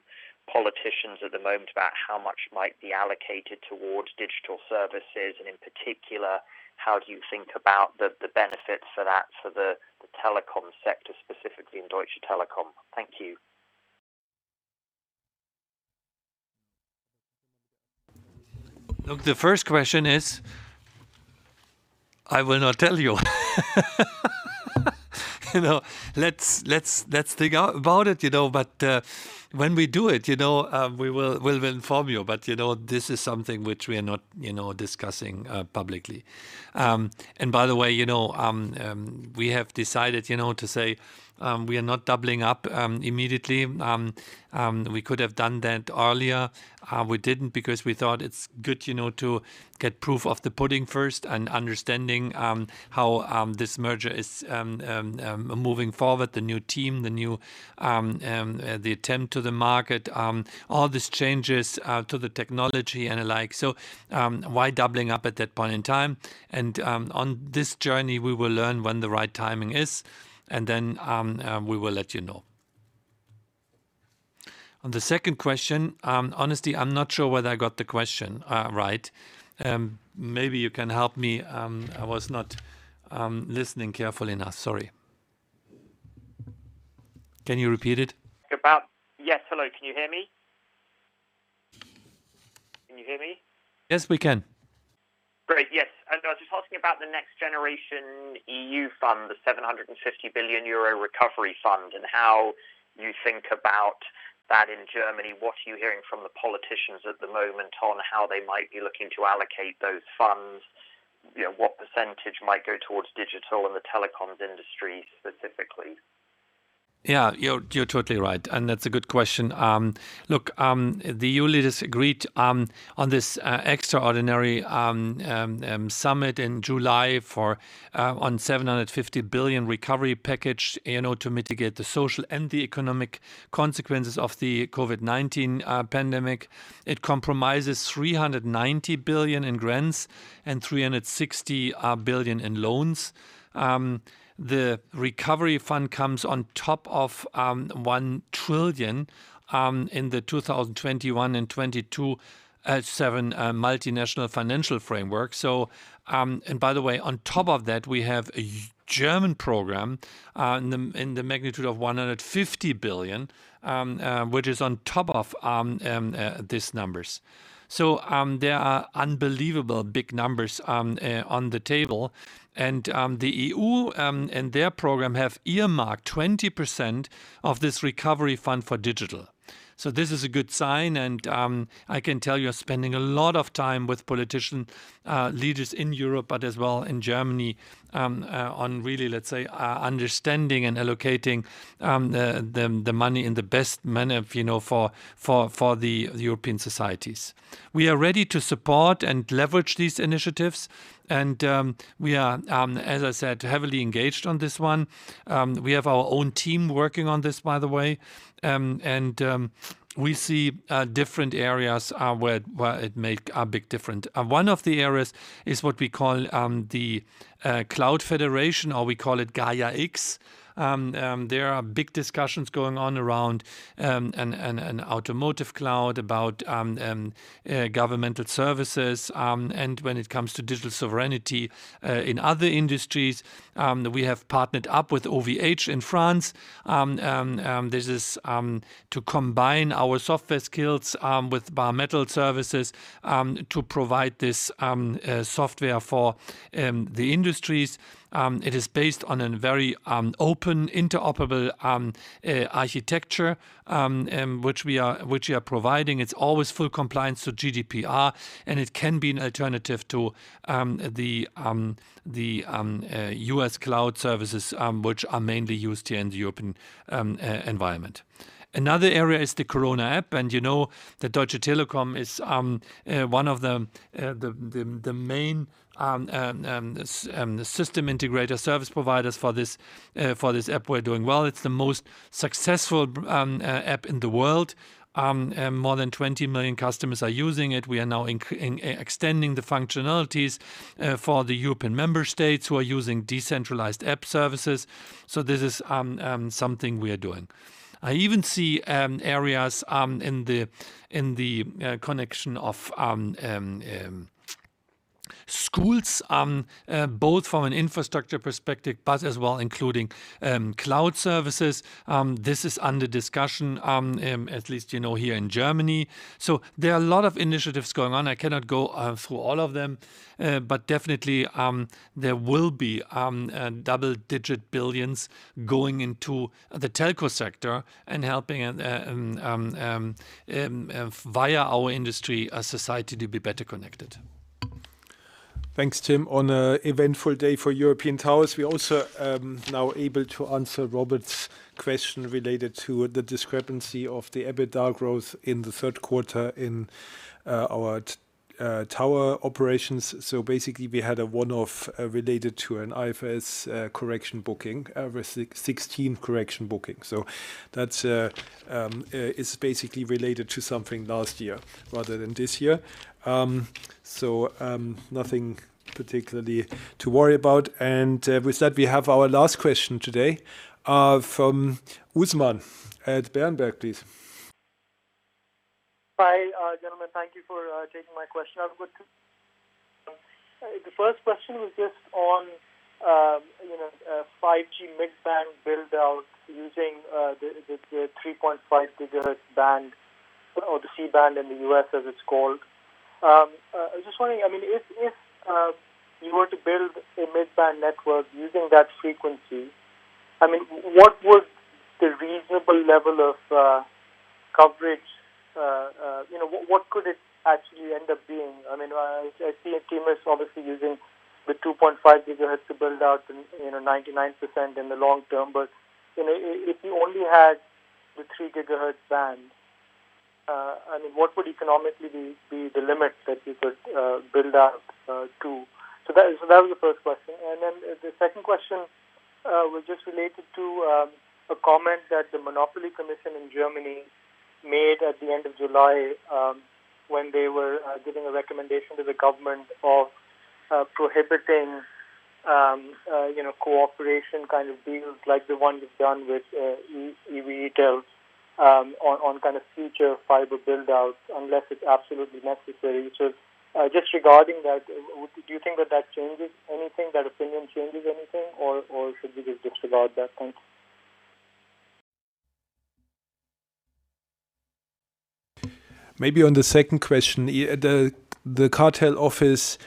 politicians at the moment about how much might be allocated towards digital services? In particular, how do you think about the benefits for that for the telecom sector, specifically in Deutsche Telekom? Thank you. Look, the first question is, I will not tell you. Let's think about it, when we do it, we will inform you. This is something which we are not discussing publicly. By the way, we have decided to say we are not doubling up immediately. We could have done that earlier. We didn't because we thought it's good to get proof of the pudding first and understanding how this merger is moving forward, the new team, the attempt to the market, all these changes to the technology and the like. Why doubling up at that point in time? On this journey, we will learn when the right timing is, and then we will let you know. On the second question, honestly, I'm not sure whether I got the question right. Maybe you can help me. I was not listening carefully enough. Sorry. Can you repeat it? Yes, hello. Can you hear me? Yes, we can. Thinking about the NextGenerationEU fund, the 750 billion euro recovery fund, and how you think about that in Germany. What are you hearing from the politicians at the moment on how they might be looking to allocate those funds? What percentage might go towards digital and the telecoms industry specifically? Yeah, you're totally right. That's a good question. Look, the EU leaders agreed on this extraordinary summit in July on a 750 billion recovery package to mitigate the social and the economic consequences of the COVID-19 pandemic. It comprises 390 billion in grants and 360 billion in loans. The recovery fund comes on top of 1 trillion in the 2021 and 2022 Multiannual Financial Framework. By the way, on top of that, we have a German program in the magnitude of 150 billion, which is on top of these numbers. There are unbelievably big numbers on the table. The EU and their program have earmarked 20% of this recovery fund for digital. This is a good sign, and I can tell you are spending a lot of time with politician leaders in Europe, but as well in Germany, on really understanding and allocating the money in the best manner for the European societies. We are ready to support and leverage these initiatives. We are, as I said, heavily engaged on this one. We have our own team working on this, by the way. We see different areas where it makes a big difference. One of the areas is what we call the cloud federation, or we call it Gaia-X. There are big discussions going on around an automotive cloud about governmental services. When it comes to digital sovereignty in other industries, we have partnered up with OVH in France. This is to combine our software skills with bare-metal services to provide this software for the industries. It is based on a very open, interoperable architecture, which we are providing. It's always full compliance to GDPR. It can be an alternative to the U.S. cloud services, which are mainly used here in the European environment. Another area is the Corona-Warn-App, you know that Deutsche Telekom is one of the main system integrator service providers for this app. We're doing well. It's the most successful app in the world. More than 20 million customers are using it. We are now extending the functionalities for the European member states who are using decentralized app services. This is something we are doing. I even see areas in the connection of schools, both from an infrastructure perspective, but as well including cloud services. This is under discussion, at least here in Germany. There are a lot of initiatives going on. I cannot go through all of them. Definitely, there will be double-digit billions going into the telco sector and helping via our industry as society to be better connected. Thanks, Tim. On an eventful day for European Towers, we're also now able to answer Robert's question related to the discrepancy of the EBITDA growth in the third quarter in our tower operations. Basically, we had a one-off related to an IFRS correction booking, a 16 correction booking. That is basically related to something last year rather than this year. Nothing particularly to worry about. With that, we have our last question today from Usman at Berenberg, please. Hi, gentlemen. Thank you for taking my question. The first question was on 5G mid-band build-out using the 3.5 GHz band or the C-band in the U.S., as it's called. I'm wondering, if you were to build a mid-band network using that frequency, what would the reasonable level of coverage, what could it actually end up being? I see [TMUS] obviously using the 2.5 GHz to build out 99% in the long term. If you only had the 3 GHz band, what would economically be the limit that you could build out to? That was the first question. The second question was just related to a comment that the Monopolkommission in Germany made at the end of July when they were giving a recommendation to the government of prohibiting cooperation kind of deals like the one you've done with EWE TEL on kind of future fiber build-outs, unless it's absolutely necessary. Just regarding that, do you think that that changes anything, that opinion changes anything, or should we just disregard that? Thanks. Maybe on the second question. The cartel office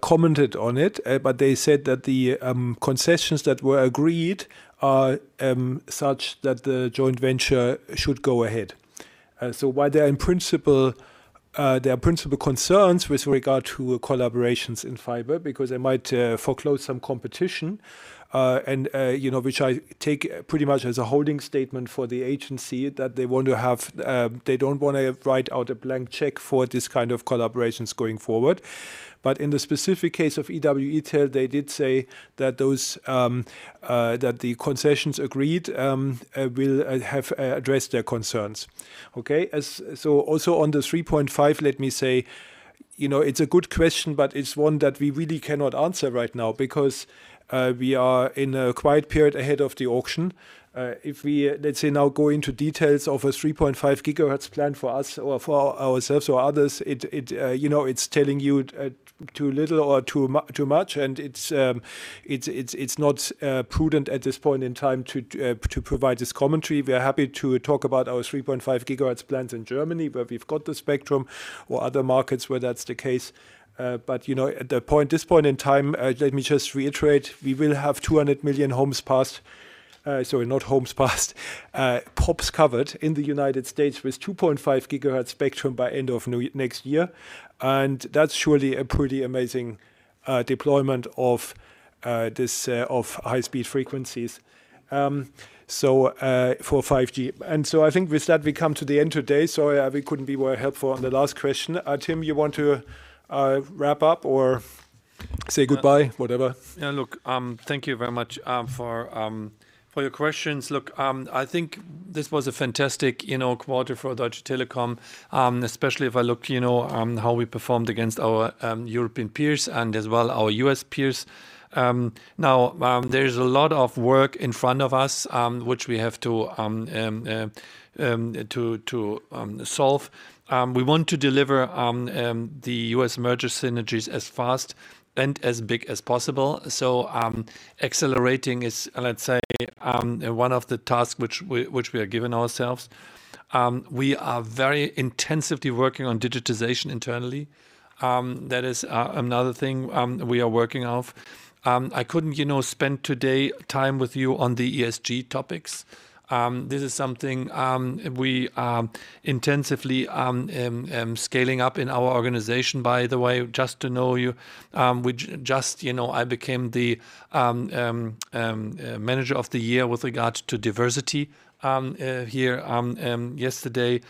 commented on it. They said that the concessions that were agreed are such that the joint venture should go ahead. While there are principal concerns with regard to collaborations in fiber, because they might foreclose some competition, which I take pretty much as a holding statement for the agency that they don't want to write out a blank check for these kind of collaborations going forward. In the specific case of EWE TEL, they did say that the concessions agreed will have addressed their concerns. Okay. Also on the 3.5 GHz, let me say, it's a good question, but it's one that we really cannot answer right now, because we are in a quiet period ahead of the auction. If we, let's say, now go into details of a 3.5 GHz plan for us or for ourselves or others, it's telling you too little or too much, and it's not prudent at this point in time to provide this commentary. We are happy to talk about our 3.5 GHz plans in Germany, where we've got the spectrum or other markets where that's the case. At this point in time, let me just reiterate, we will have 200 million homes passed, sorry, not homes passed, POPS covered in the United States with 2.5 GHz spectrum by end of next year, and that's surely a pretty amazing deployment of high-speed frequencies for 5G. I think with that, we come to the end today. Sorry we couldn't be more helpful on the last question. Tim, you want to wrap up or say goodbye, whatever? Yeah. Look, thank you very much for your questions. Look, I think this was a fantastic quarter for Deutsche Telekom, especially if I look how we performed against our European peers and as well our U.S. peers. There's a lot of work in front of us, which we have to solve. We want to deliver the U.S. merger synergies as fast and as big as possible. Accelerating is, let's say, one of the tasks which we are giving ourselves. We are very intensively working on digitization internally. That is another thing we are working of. I couldn't spend today time with you on the ESG topics. This is something we intensively am scaling up in our organization. By the way, just to know you, I became the manager of the year with regard to diversity here yesterday.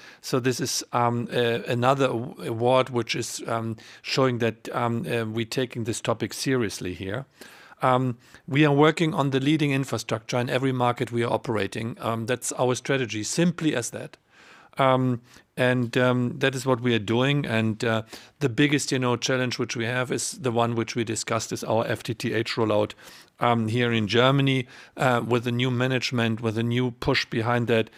This is another award which is showing that we're taking this topic seriously here. We are working on the leading infrastructure in every market we are operating. That's our strategy, simply as that. That is what we are doing and the biggest challenge which we have is the one which we discussed, is our FTTH rollout here in Germany. With the new management, with the new push behind that,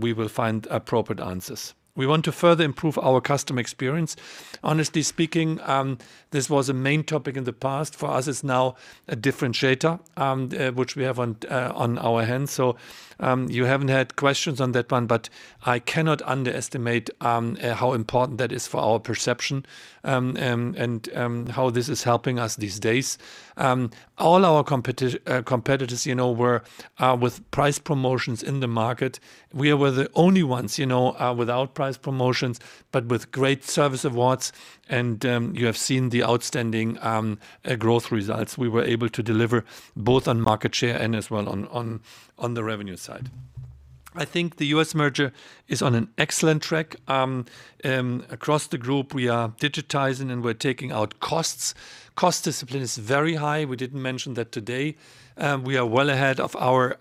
we will find appropriate answers. We want to further improve our customer experience. Honestly speaking, this was a main topic in the past. For us, it's now a differentiator which we have on our hands. You haven't had questions on that one, but I cannot underestimate how important that is for our perception and how this is helping us these days. All our competitors were with price promotions in the market. We were the only ones without price promotions, but with great service awards, and you have seen the outstanding growth results we were able to deliver, both on market share and as well on the revenue side. I think the U.S. merger is on an excellent track. Across the group, we are digitizing and we're taking out costs. Cost discipline is very high. We didn't mention that today. We are well ahead of our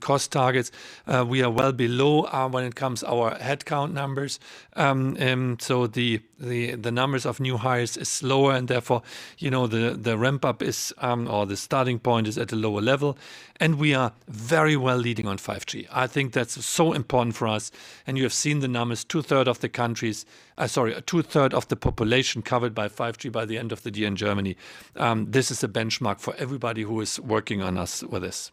cost targets. We are well below when it comes our headcount numbers. The numbers of new hires is lower and therefore the ramp-up or the starting point is at a lower level, and we are very well leading on 5G. I think that's so important for us, and you have seen the numbers. 2/3 of the population covered by 5G by the end of the year in Germany. This is a benchmark for everybody who is working with us.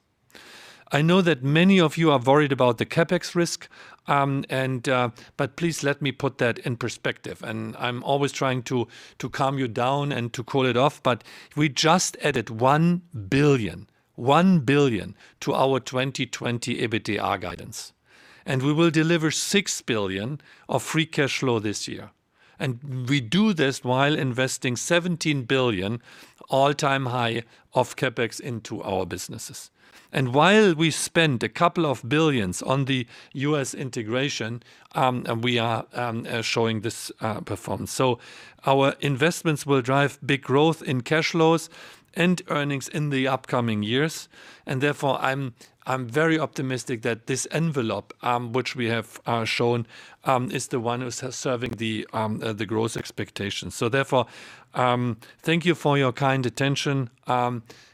I know that many of you are worried about the CapEx risk, but please let me put that in perspective. I'm always trying to calm you down and to call it off, but we just added 1 billion, 1 billion, to our 2020 EBITDA guidance, and we will deliver 6 billion of free cash flow this year. We do this while investing 17 billion, all-time high of CapEx into our businesses. While we spend a couple of billions on the U.S. integration, we are showing this performance. Our investments will drive big growth in cash flows and earnings in the upcoming years, and therefore I'm very optimistic that this envelope, which we have shown, is the one who's serving the growth expectations. Therefore, thank you for your kind attention.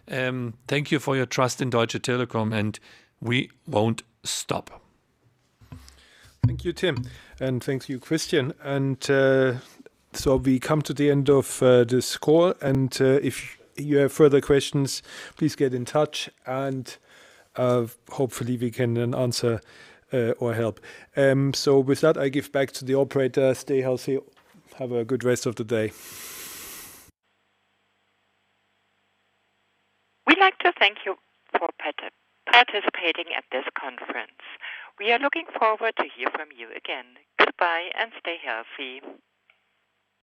Thank you for your trust in Deutsche Telekom, and we won't stop. Thank you, Tim, and thank you, Christian. We come to the end of this call. If you have further questions, please get in touch and hopefully we can then answer or help. With that, I give back to the operator. Stay healthy. Have a good rest of the day. We'd like to thank you for participating at this conference. We are looking forward to hear from you again. Goodbye and stay healthy.